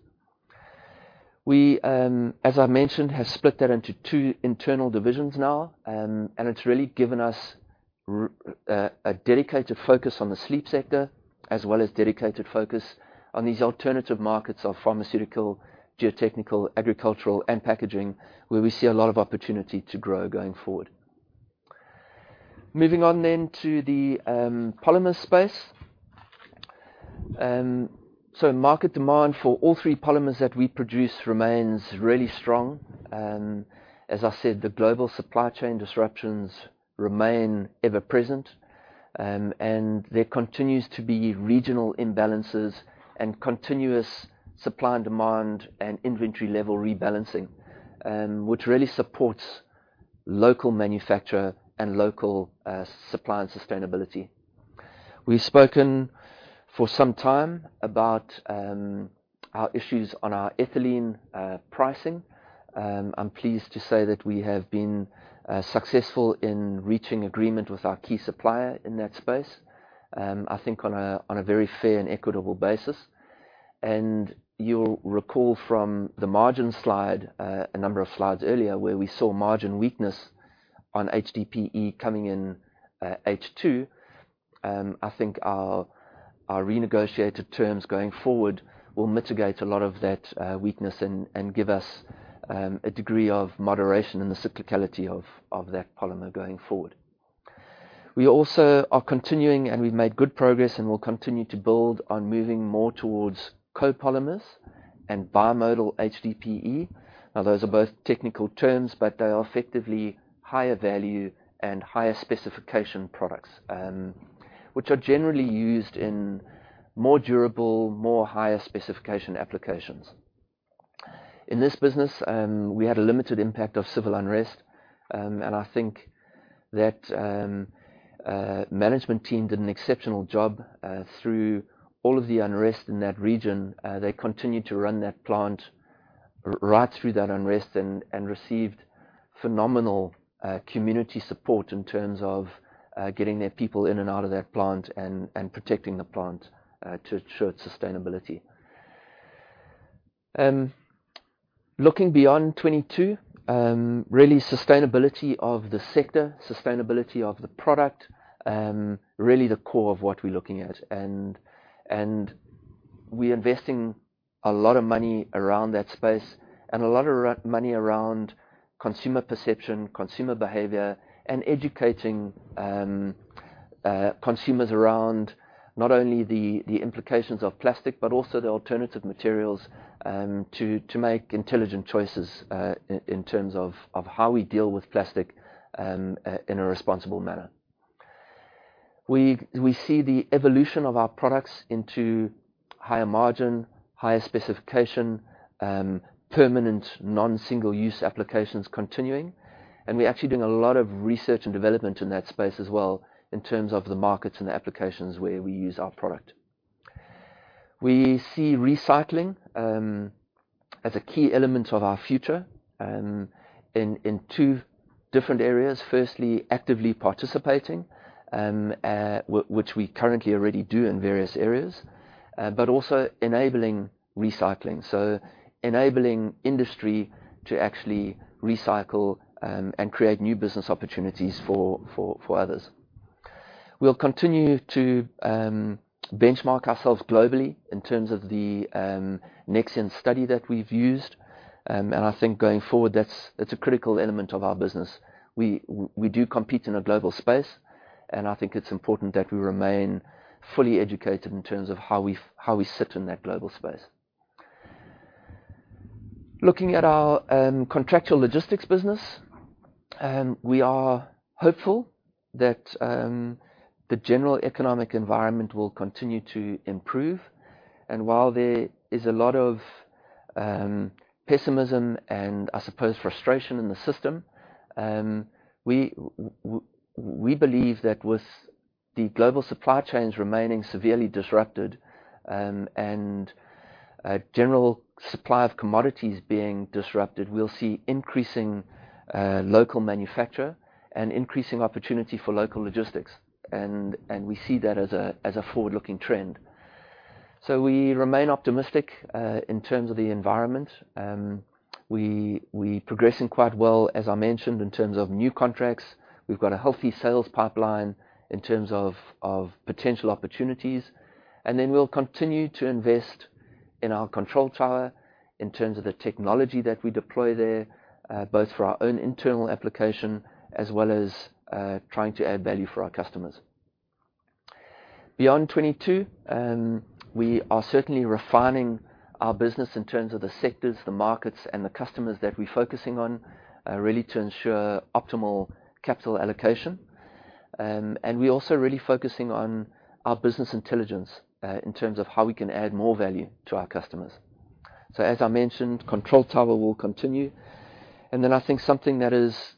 We, as I mentioned, have split that into two internal divisions now, and it's really given us a dedicated focus on the sleep sector, as well as dedicated focus on these alternative markets of pharmaceutical, geotechnical, agricultural, and packaging, where we see a lot of opportunity to grow going forward. Moving on to the polymers space. Market demand for all three polymers that we produce remains really strong. As I said, the global supply chain disruptions remain ever present, and there continues to be regional imbalances and continuous supply and demand and inventory level rebalancing, which really supports local manufacturer and local supply and sustainability. We've spoken for some time about our issues on our ethylene pricing. I am pleased to say that we have been successful in reaching agreement with our key supplier in that space, I think on a very fair and equitable basis. You will recall from the margin slide, a number of slides earlier, where we saw margin weakness on HDPE coming in H2. I think our renegotiated terms going forward will mitigate a lot of that weakness and give us a degree of moderation in the cyclicality of that polymer going forward. We also are continuing, and we have made good progress and will continue to build on moving more towards copolymers and bimodal HDPE. Now, those are both technical terms, but they are effectively higher value and higher specification products, which are generally used in more durable, higher specification applications. In this business, we had a limited impact of civil unrest, and I think that management team did an exceptional job through all of the unrest in that region. They continued to run that plant right through that unrest and received phenomenal community support in terms of getting their people in and out of that plant and protecting the plant to ensure its sustainability. Looking beyond 2022, really sustainability of the sector, sustainability of the product, really the core of what we're looking at. We're investing a lot of money around that space and a lot of money around consumer perception, consumer behavior, and educating consumers around not only the implications of plastic, but also the alternative materials to make intelligent choices in terms of how we deal with plastic in a responsible manner. We see the evolution of our products into higher margin, higher specification, permanent non-single use applications continuing, and we're actually doing a lot of research and development in that space as well in terms of the markets and the applications where we use our product. We see recycling as a key element of our future in two different areas. Firstly, actively participating, which we currently already do in various areas, but also enabling recycling. Enabling industry to actually recycle and create new business opportunities for others. We'll continue to benchmark ourselves globally in terms of the Nexant study that we've used, and I think going forward, that's a critical element of our business. We do compete in a global space, and I think it's important that we remain fully educated in terms of how we sit in that global space. Looking at our contractual logistics business, we are hopeful that the general economic environment will continue to improve, and while there is a lot of pessimism and I suppose frustration in the system, we believe that with the global supply chains remaining severely disrupted, and general supply of commodities being disrupted, we'll see increasing local manufacture and increasing opportunity for local logistics, and we see that as a forward-looking trend. We remain optimistic in terms of the environment. We're progressing quite well, as I mentioned, in terms of new contracts. We've got a healthy sales pipeline in terms of potential opportunities, and then we'll continue to invest in our control tower in terms of the technology that we deploy there, both for our own internal application as well as trying to add value for our customers. Beyond 2022, we are certainly refining our business in terms of the sectors, the markets, and the customers that we're focusing on, really to ensure optimal capital allocation. We're also really focusing on our business intelligence in terms of how we can add more value to our customers. As I mentioned, control tower will continue, and then I think something that is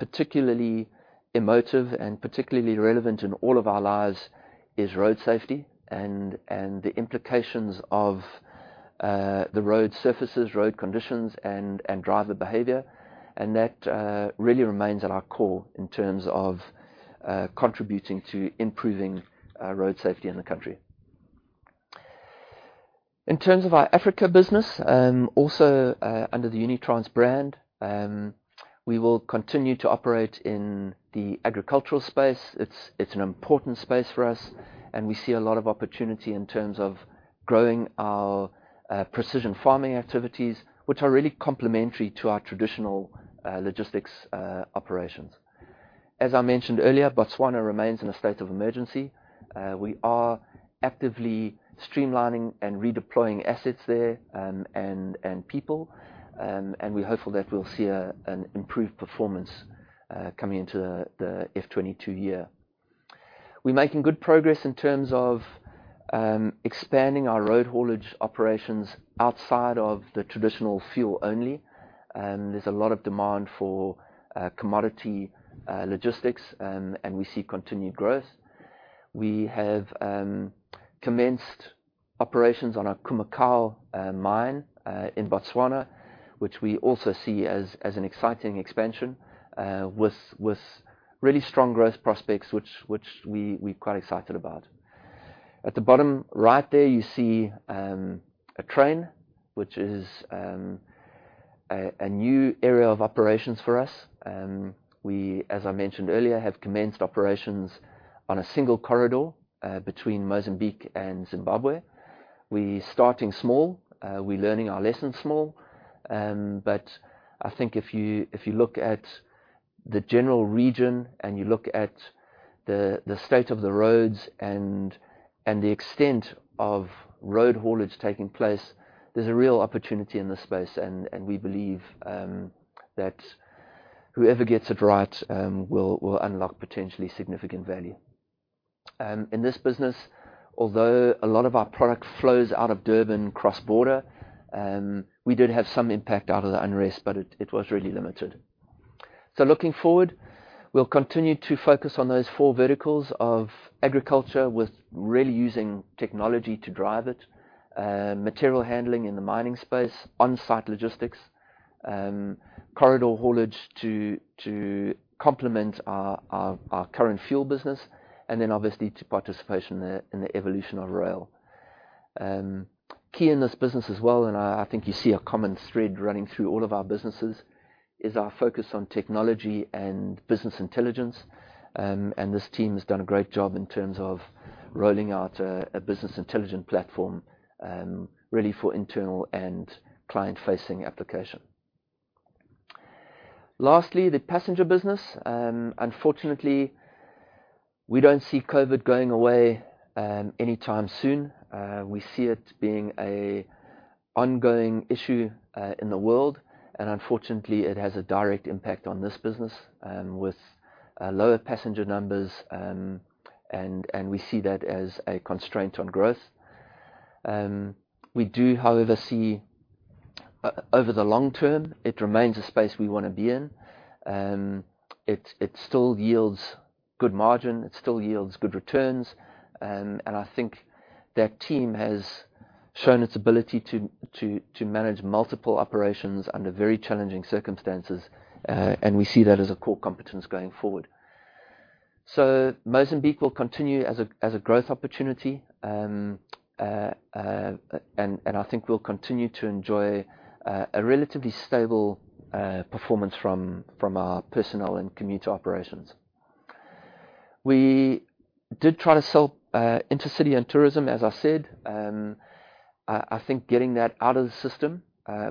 particularly emotive and particularly relevant in all of our lives is road safety and the implications of the road surfaces, road conditions, and driver behavior, and that really remains at our core in terms of contributing to improving road safety in the country. In terms of our Africa business, also under the Unitrans brand, we will continue to operate in the agricultural space. It's an important space for us, and we see a lot of opportunity in terms of growing our precision farming activities, which are really complementary to our traditional logistics operations. As I mentioned earlier, Botswana remains in a state of emergency. We are actively streamlining and redeploying assets there, and people, and we're hopeful that we'll see an improved performance coming into the FY 2022 year. We're making good progress in terms of expanding our road haulage operations outside of the traditional fuel only. There's a lot of demand for commodity logistics, and we see continued growth. We have commenced operations on our Khoemacaumine in Botswana, which we also see as an exciting expansion, with really strong growth prospects, which we're quite excited about. At the bottom right there, you see a train, which is a new area of operations for us. We, as I mentioned earlier, have commenced operations on a single corridor between Mozambique and Zimbabwe. We're starting small, we're learning our lessons small, but I think if you look at the general region and you look at the state of the roads and the extent of road haulage taking place, there's a real opportunity in this space, and we believe that whoever gets it right will unlock potentially significant value. In this business, although a lot of our product flows out of Durban cross-border, we did have some impact out of the unrest, but it was really limited. Looking forward, we'll continue to focus on those four verticals of agriculture with really using technology to drive it, material handling in the mining space, on-site logistics, corridor haulage to complement our current fuel business, and then obviously to participation in the evolution of rail. Key in this business as well, and I think you see a common thread running through all of our businesses, is our focus on technology and business intelligence, and this team has done a great job in terms of rolling out a business intelligence platform, really for internal and client-facing application. Lastly, the passenger business. Unfortunately, we don't see COVID going away anytime soon. We see it being an ongoing issue in the world, and unfortunately, it has a direct impact on this business with lower passenger numbers, and we see that as a constraint on growth. We do, however, see over the long term, it remains a space we want to be in. It still yields good margin, it still yields good returns, and I think that team has shown its ability to manage multiple operations under very challenging circumstances, and we see that as a core competence going forward. Mozambique will continue as a growth opportunity, and I think we'll continue to enjoy a relatively stable performance from our personnel and commuter operations. We did try to sell intercity and tourism, as I said. I think getting that out of the system,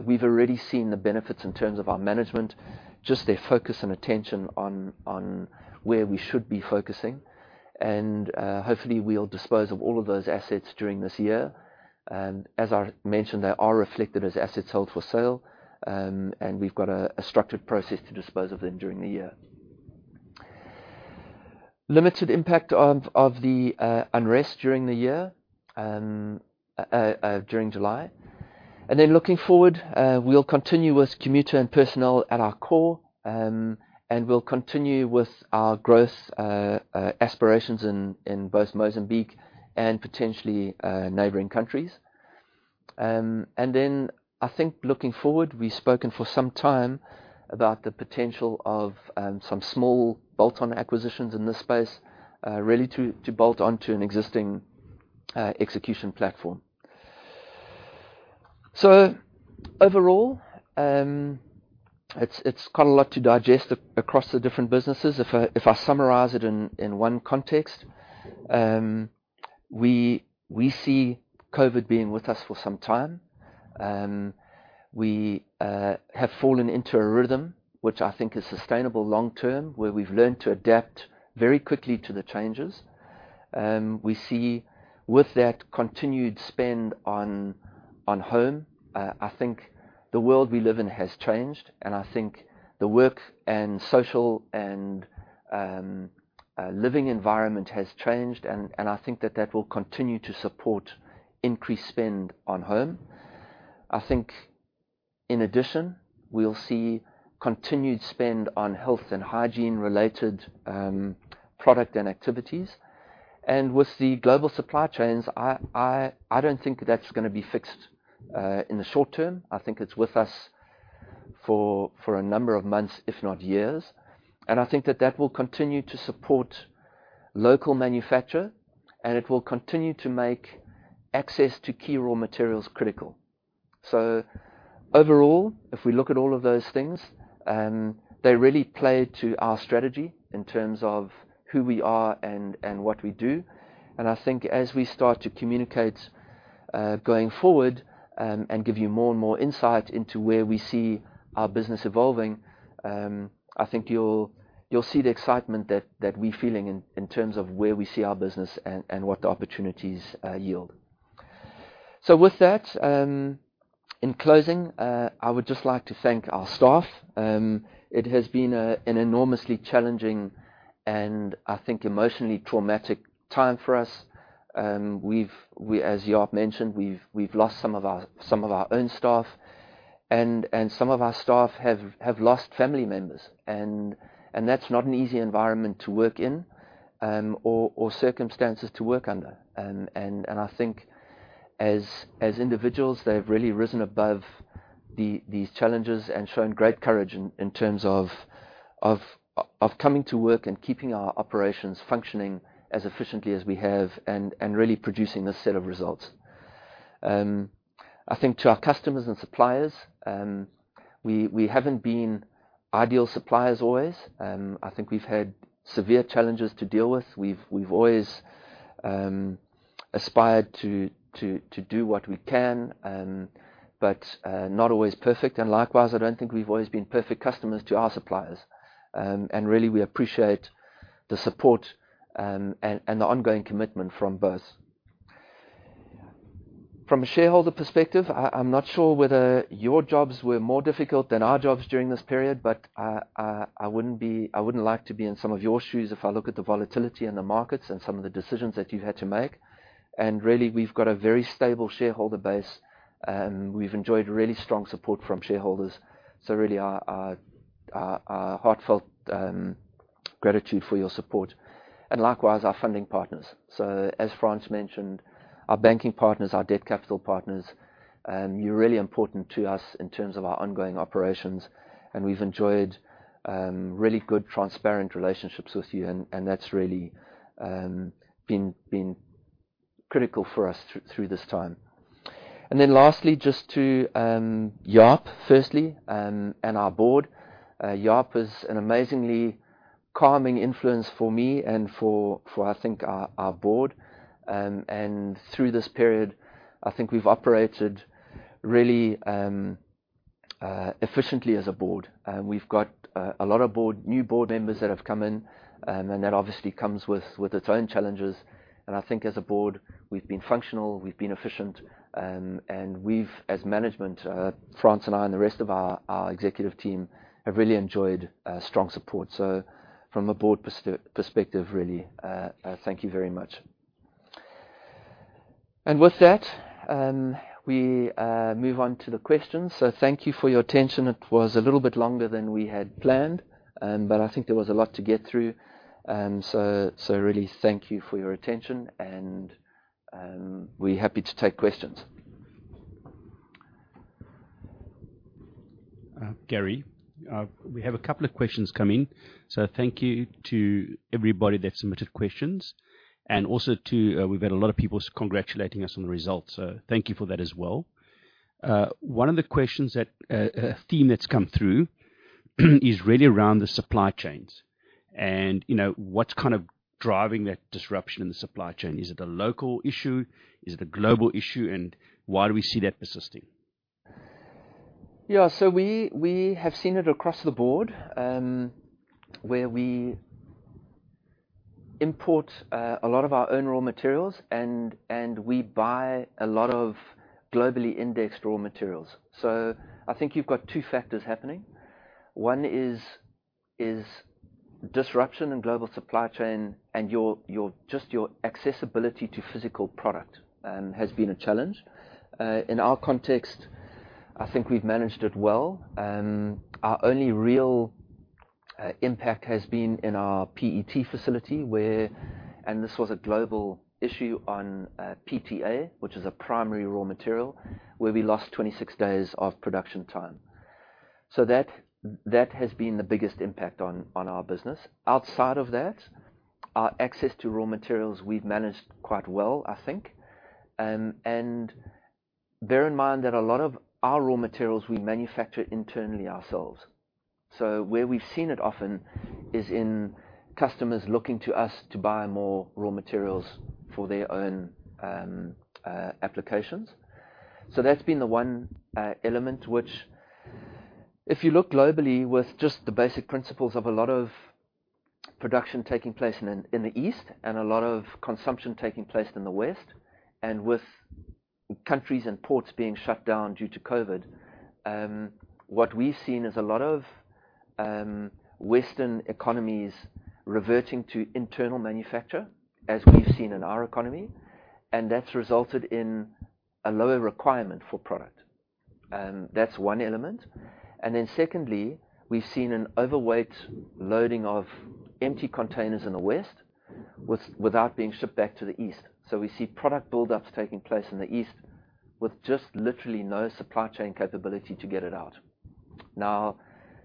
we've already seen the benefits in terms of our management, just their focus and attention on where we should be focusing. Hopefully we'll dispose of all of those assets during this year. As I mentioned, they are reflected as assets held for sale, and we've got a structured process to dispose of them during the year. Limited impact of the unrest during the year, during July. Looking forward, we'll continue with commuter and personnel at our core, and we'll continue with our growth aspirations in both Mozambique and potentially neighboring countries. I think looking forward, we've spoken for some time about the potential of some small bolt-on acquisitions in this space, really to bolt onto an existing execution platform. Overall, it's quite a lot to digest across the different businesses. If I summarize it in one context, we see COVID being with us for some time. We have fallen into a rhythm, which I think is sustainable long term, where we've learned to adapt very quickly to the changes. We see with that continued spend on home, I think the world we live in has changed, and I think the work and social and living environment has changed and I think that that will continue to support increased spend on home. I think in addition, we'll see continued spend on health and hygiene-related product and activities. With the global supply chains, I don't think that's gonna be fixed, in the short term. I think it's with us for a number of months, if not years. I think that that will continue to support local manufacture, and it will continue to make access to key raw materials critical. Overall, if we look at all of those things, they really play to our strategy in terms of who we are and what we do. I think as we start to communicate, going forward, and give you more and more insight into where we see our business evolving, I think you'll see the excitement that we're feeling in terms of where we see our business and what the opportunities yield. With that, in closing, I would just like to thank our staff. It has been an enormously challenging and I think emotionally traumatic time for us. As Jaap mentioned, we've lost some of our own staff and some of our staff have lost family members, and that's not an easy environment to work in, or circumstances to work under. I think as individuals, they've really risen above these challenges and shown great courage in terms of coming to work and keeping our operations functioning as efficiently as we have and really producing this set of results. I think to our customers and suppliers, we haven't been ideal suppliers always. I think we've had severe challenges to deal with. We've always aspired to do what we can, but not always perfect, and likewise, I don't think we've always been perfect customers to our suppliers. Really we appreciate the support, and the ongoing commitment from both. From a shareholder perspective, I'm not sure whether your jobs were more difficult than our jobs during this period, but I wouldn't like to be in some of your shoes if I look at the volatility in the markets and some of the decisions that you've had to make. Really we've got a very stable shareholder base. We've enjoyed really strong support from shareholders. Really our heartfelt gratitude for your support. Likewise, our funding partners. As Frans mentioned, our banking partners, our debt capital partners, you're really important to us in terms of our ongoing operations, and we've enjoyed really good, transparent relationships with you, and that's really been critical for us through this time. Lastly, just to Jaap firstly, and our board. Jaap is an amazingly calming influence for me and for I think our board. Through this period, I think we've operated really efficiently as a board. We've got a lot of new board members that have come in, and that obviously comes with its own challenges. I think as a board, we've been functional, we've been efficient, and we've as management, Frans and I and the rest of our executive team, have really enjoyed strong support. From a board perspective, really, thank you very much. With that, we move on to the questions. Thank you for your attention. It was a little bit longer than we had planned, but I think there was a lot to get through. Really, thank you for your attention and we're happy to take questions. Gary, we have a couple of questions come in, so thank you to everybody that submitted questions and also we've had a lot of people congratulating us on the results. So thank you for that as well. One of the questions, a theme that's come through is really around the supply chains. What's kind of driving that disruption in the supply chain? Is it a local issue? Is it a global issue? Why do we see that persisting? Yeah. We have seen it across the board, where we import a lot of our own raw materials, and we buy a lot of globally indexed raw materials. I think you've got two factors happening. One is disruption in global supply chain, and just your accessibility to physical product has been a challenge. In our context, I think we've managed it well. Our only real impact has been in our PET facility where, and this was a global issue on PTA, which is a primary raw material, where we lost 26 days of production time. That has been the biggest impact on our business. Outside of that, our access to raw materials we've managed quite well, I think. Bear in mind that a lot of our raw materials we manufacture internally ourselves. Where we've seen it often is in customers looking to us to buy more raw materials for their own applications. That's been the one element which if you look globally with just the basic principles of a lot of production taking place in the East and a lot of consumption taking place in the West, and with countries and ports being shut down due to COVID, what we've seen is a lot of Western economies reverting to internal manufacture, as we've seen in our economy. That's resulted in a lower requirement for product. That's one element. Secondly, we've seen an overweight loading of empty containers in the West without being shipped back to the East. We see product buildups taking place in the East with just literally no supply chain capability to get it out.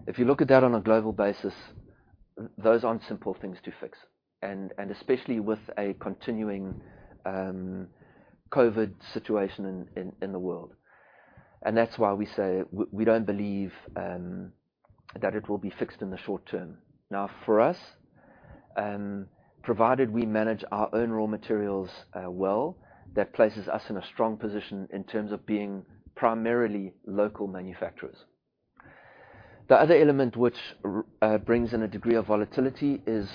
If you look at that on a global basis, those aren't simple things to fix, and especially with a continuing COVID situation in the world. That's why we say we don't believe that it will be fixed in the short term. For us, provided we manage our own raw materials well, that places us in a strong position in terms of being primarily local manufacturers. The other element which brings in a degree of volatility is,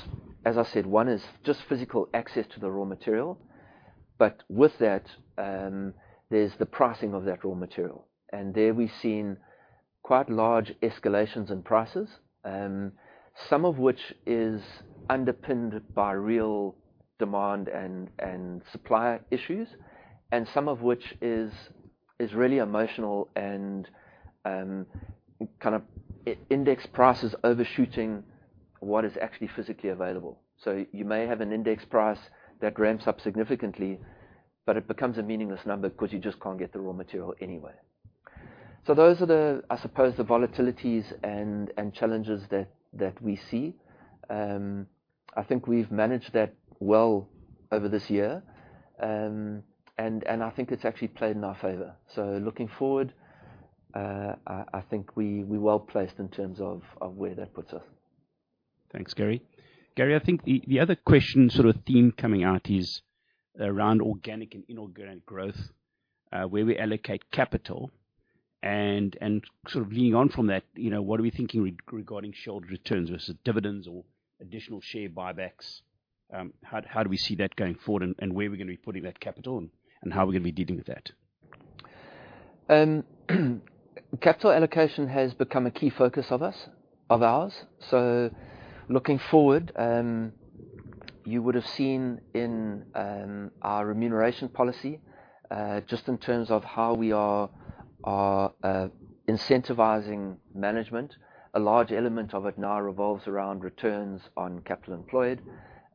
as I said, one is just physical access to the raw material. With that, there's the pricing of that raw material. There we've seen quite large escalations in prices, some of which is underpinned by real demand and supply issues, and some of which is really emotional and kind of index prices overshooting what is actually physically available. You may have an index price that ramps up significantly, but it becomes a meaningless number because you just can't get the raw material anyway. Those are, I suppose, the volatilities and challenges that we see. I think we've managed that well over this year. I think it's actually played in our favor. Looking forward, I think we're well-placed in terms of where that puts us. Thanks, Gary. Gary, I think the other question sort of theme coming out is around organic and inorganics growth, where we allocate capital and sort of leading on from that, what are we thinking regarding shareholder returns versus dividends or additional share buybacks? How do we see that going forward and where are we going to be putting that capital, and how are we going to be dealing with that? Capital allocation has become a key focus of ours. Looking forward, you would have seen in our remuneration policy, just in terms of how we are incentivizing management, a large element of it now revolves around returns on capital employed.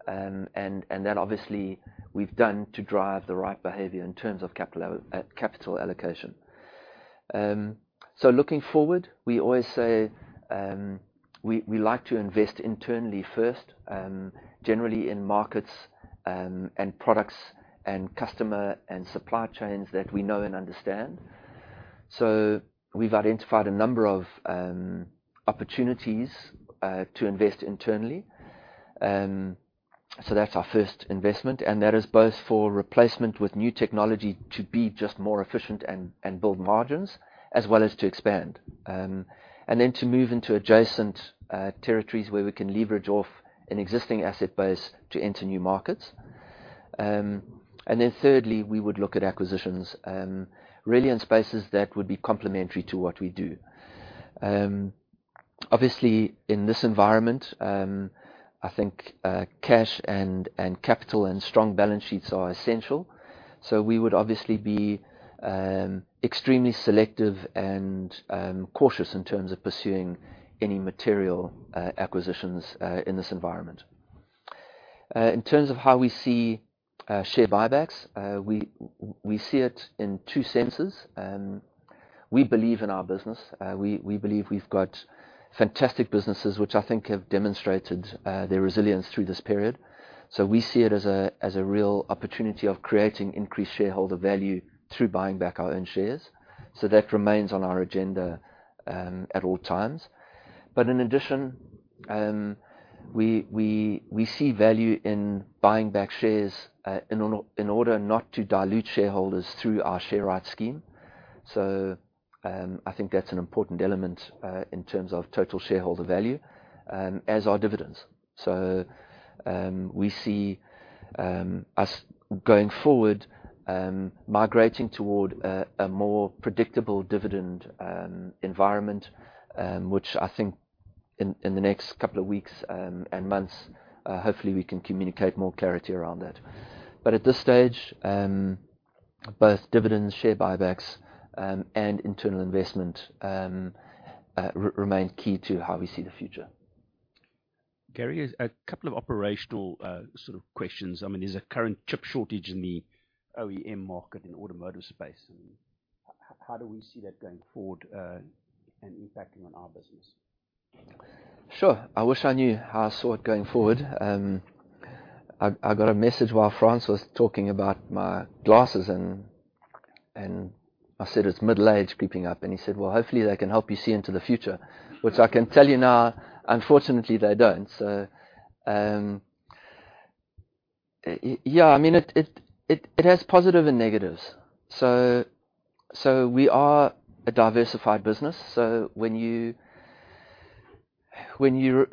That obviously we've done to drive the right behavior in terms of capital allocation. Looking forward, we always say, we like to invest internally first, generally in markets and products and customer and supply chains that we know and understand. We've identified a number of opportunities to invest internally. That's our first investment, and that is both for replacement with new technology to be just more efficient and build margins, as well as to expand. To move into adjacent territories where we can leverage off an existing asset base to enter new markets. Thirdly, we would look at acquisitions, really in spaces that would be complementary to what we do. Obviously, in this environment, I think cash and capital and strong balance sheets are essential. We would obviously be extremely selective and cautious in terms of pursuing any material acquisitions in this environment. In terms of how we see share buybacks, we see it in two senses. We believe in our business. We believe we've got fantastic businesses, which I think have demonstrated their resilience through this period. We see it as a real opportunity of creating increased shareholder value through buying back our own shares. That remains on our agenda at all times. In addition, we see value in buying back shares in order not to dilute shareholders through our share rights scheme. I think that's an important element in terms of total shareholder value, as are dividends. We see us going forward, migrating toward a more predictable dividend environment, which I think in the next couple of weeks and months, hopefully, we can communicate more clarity around that. At this stage, both dividends, share buybacks, and internal investment remain key to how we see the future. Gary, a couple of operational sort of questions. There's a current chip shortage in the OEM market, in automotive space. How do we see that going forward, and impacting on our business? Sure. I wish I knew how I saw it going forward. I got a message while Frans was talking about my glasses, and I said, "It's middle age creeping up." He said, "Well, hopefully they can help you see into the future." Which I can tell you now, unfortunately, they don't. It has positive and negatives. We are a diversified business, so when you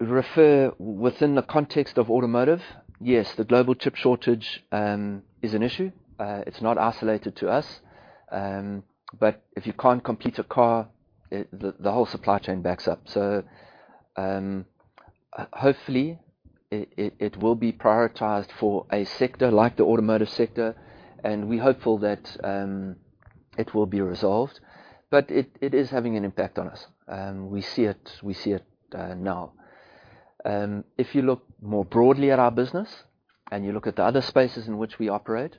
refer within the context of automotive, yes, the global chip shortage is an issue. It's not isolated to us. If you can't complete a car, the whole supply chain backs up. Hopefully, it will be prioritized for a sector like the automotive sector, and we're hopeful that it will be resolved. It is having an impact on us. We see it now. If you look more broadly at our business, you look at the other spaces in which we operate,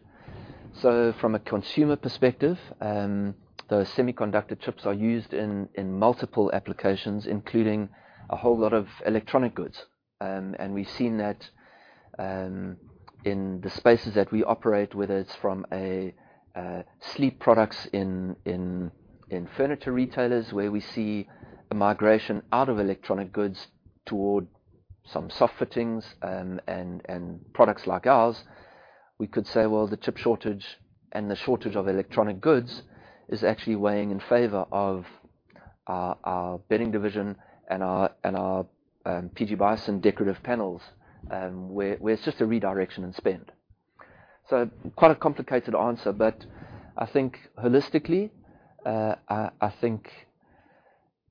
from a consumer perspective, those semiconductor chips are used in multiple applications, including a whole lot of electronic goods. We've seen that in the spaces that we operate, whether it's from sleep products in furniture retailers, where we see a migration out of electronic goods toward some soft fittings and products like ours. We could say, well, the chip shortage and the shortage of electronic goods is actually weighing in favor of our bedding division and our PG Bison decorative panels, where it's just a redirection in spend. Quite a complicated answer, I think holistically, I think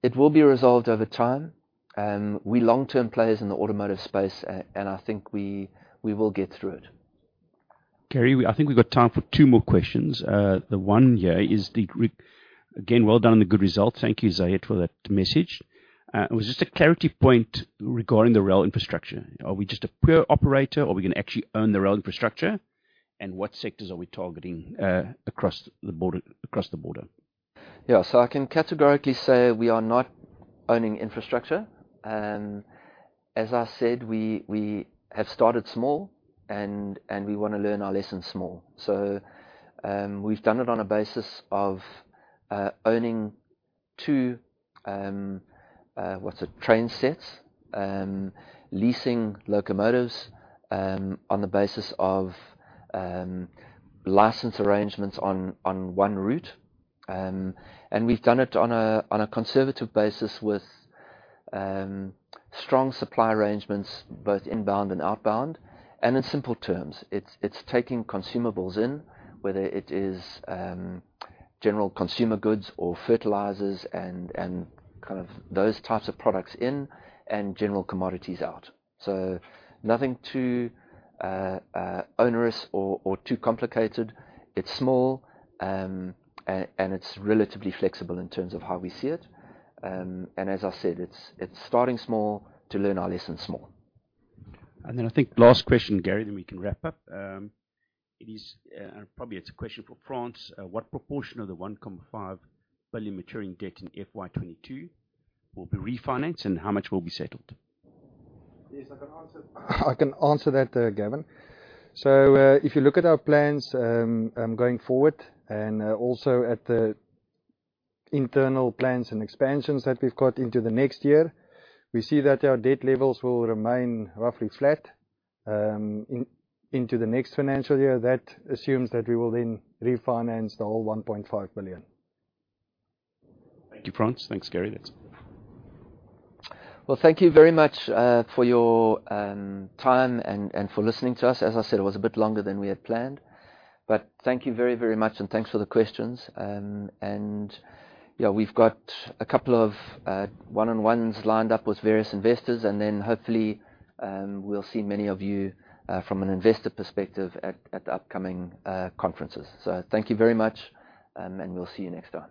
it will be resolved over time. We're long-term players in the automotive space, I think we will get through it. Gary, I think we've got time for two more questions. The one here is again, well done on the good results. Thank you, Zayed, for that message. It was just a clarity point regarding the rail infrastructure. Are we just a pure operator, or are we going to actually own the rail infrastructure? What sectors are we targeting across the border? Yeah. I can categorically say we are not owning infrastructure. As I said, we have started small, and we want to learn our lessons small. We've done it on a basis of owning two, what's it? Train sets. Leasing locomotives on the basis of license arrangements on one route. We've done it on a conservative basis with strong supply arrangements, both inbound and outbound. In simple terms, it's taking consumables in, whether it is general consumer goods or fertilizers and kind of those types of products in, and general commodities out. Nothing too onerous or too complicated. It's small, and it's relatively flexible in terms of how we see it. As I said, it's starting small to learn our lessons small. I think last question, Gary, then we can wrap up. It is, and probably it's a question for Frans. What proportion of the 1.5 billion maturing debt in FY 2022 will be refinanced, and how much will be settled? Yes, I can answer that, Gavin. If you look at our plans going forward, and also at the internal plans and expansions that we've got into the next year, we see that our debt levels will remain roughly flat into the next financial year. That assumes that we will then refinance the whole 1.5 billion. Thank you, Frans. Thanks, Gary. That's it. Thank you very much for your time and for listening to us. As I said, it was a bit longer than we had planned. Thank you very, very much and thanks for the questions. Yeah, we've got a couple of one-on-ones lined up with various investors, and then hopefully, we'll see many of you from an investor perspective at the upcoming conferences. Thank you very much, and we'll see you next time.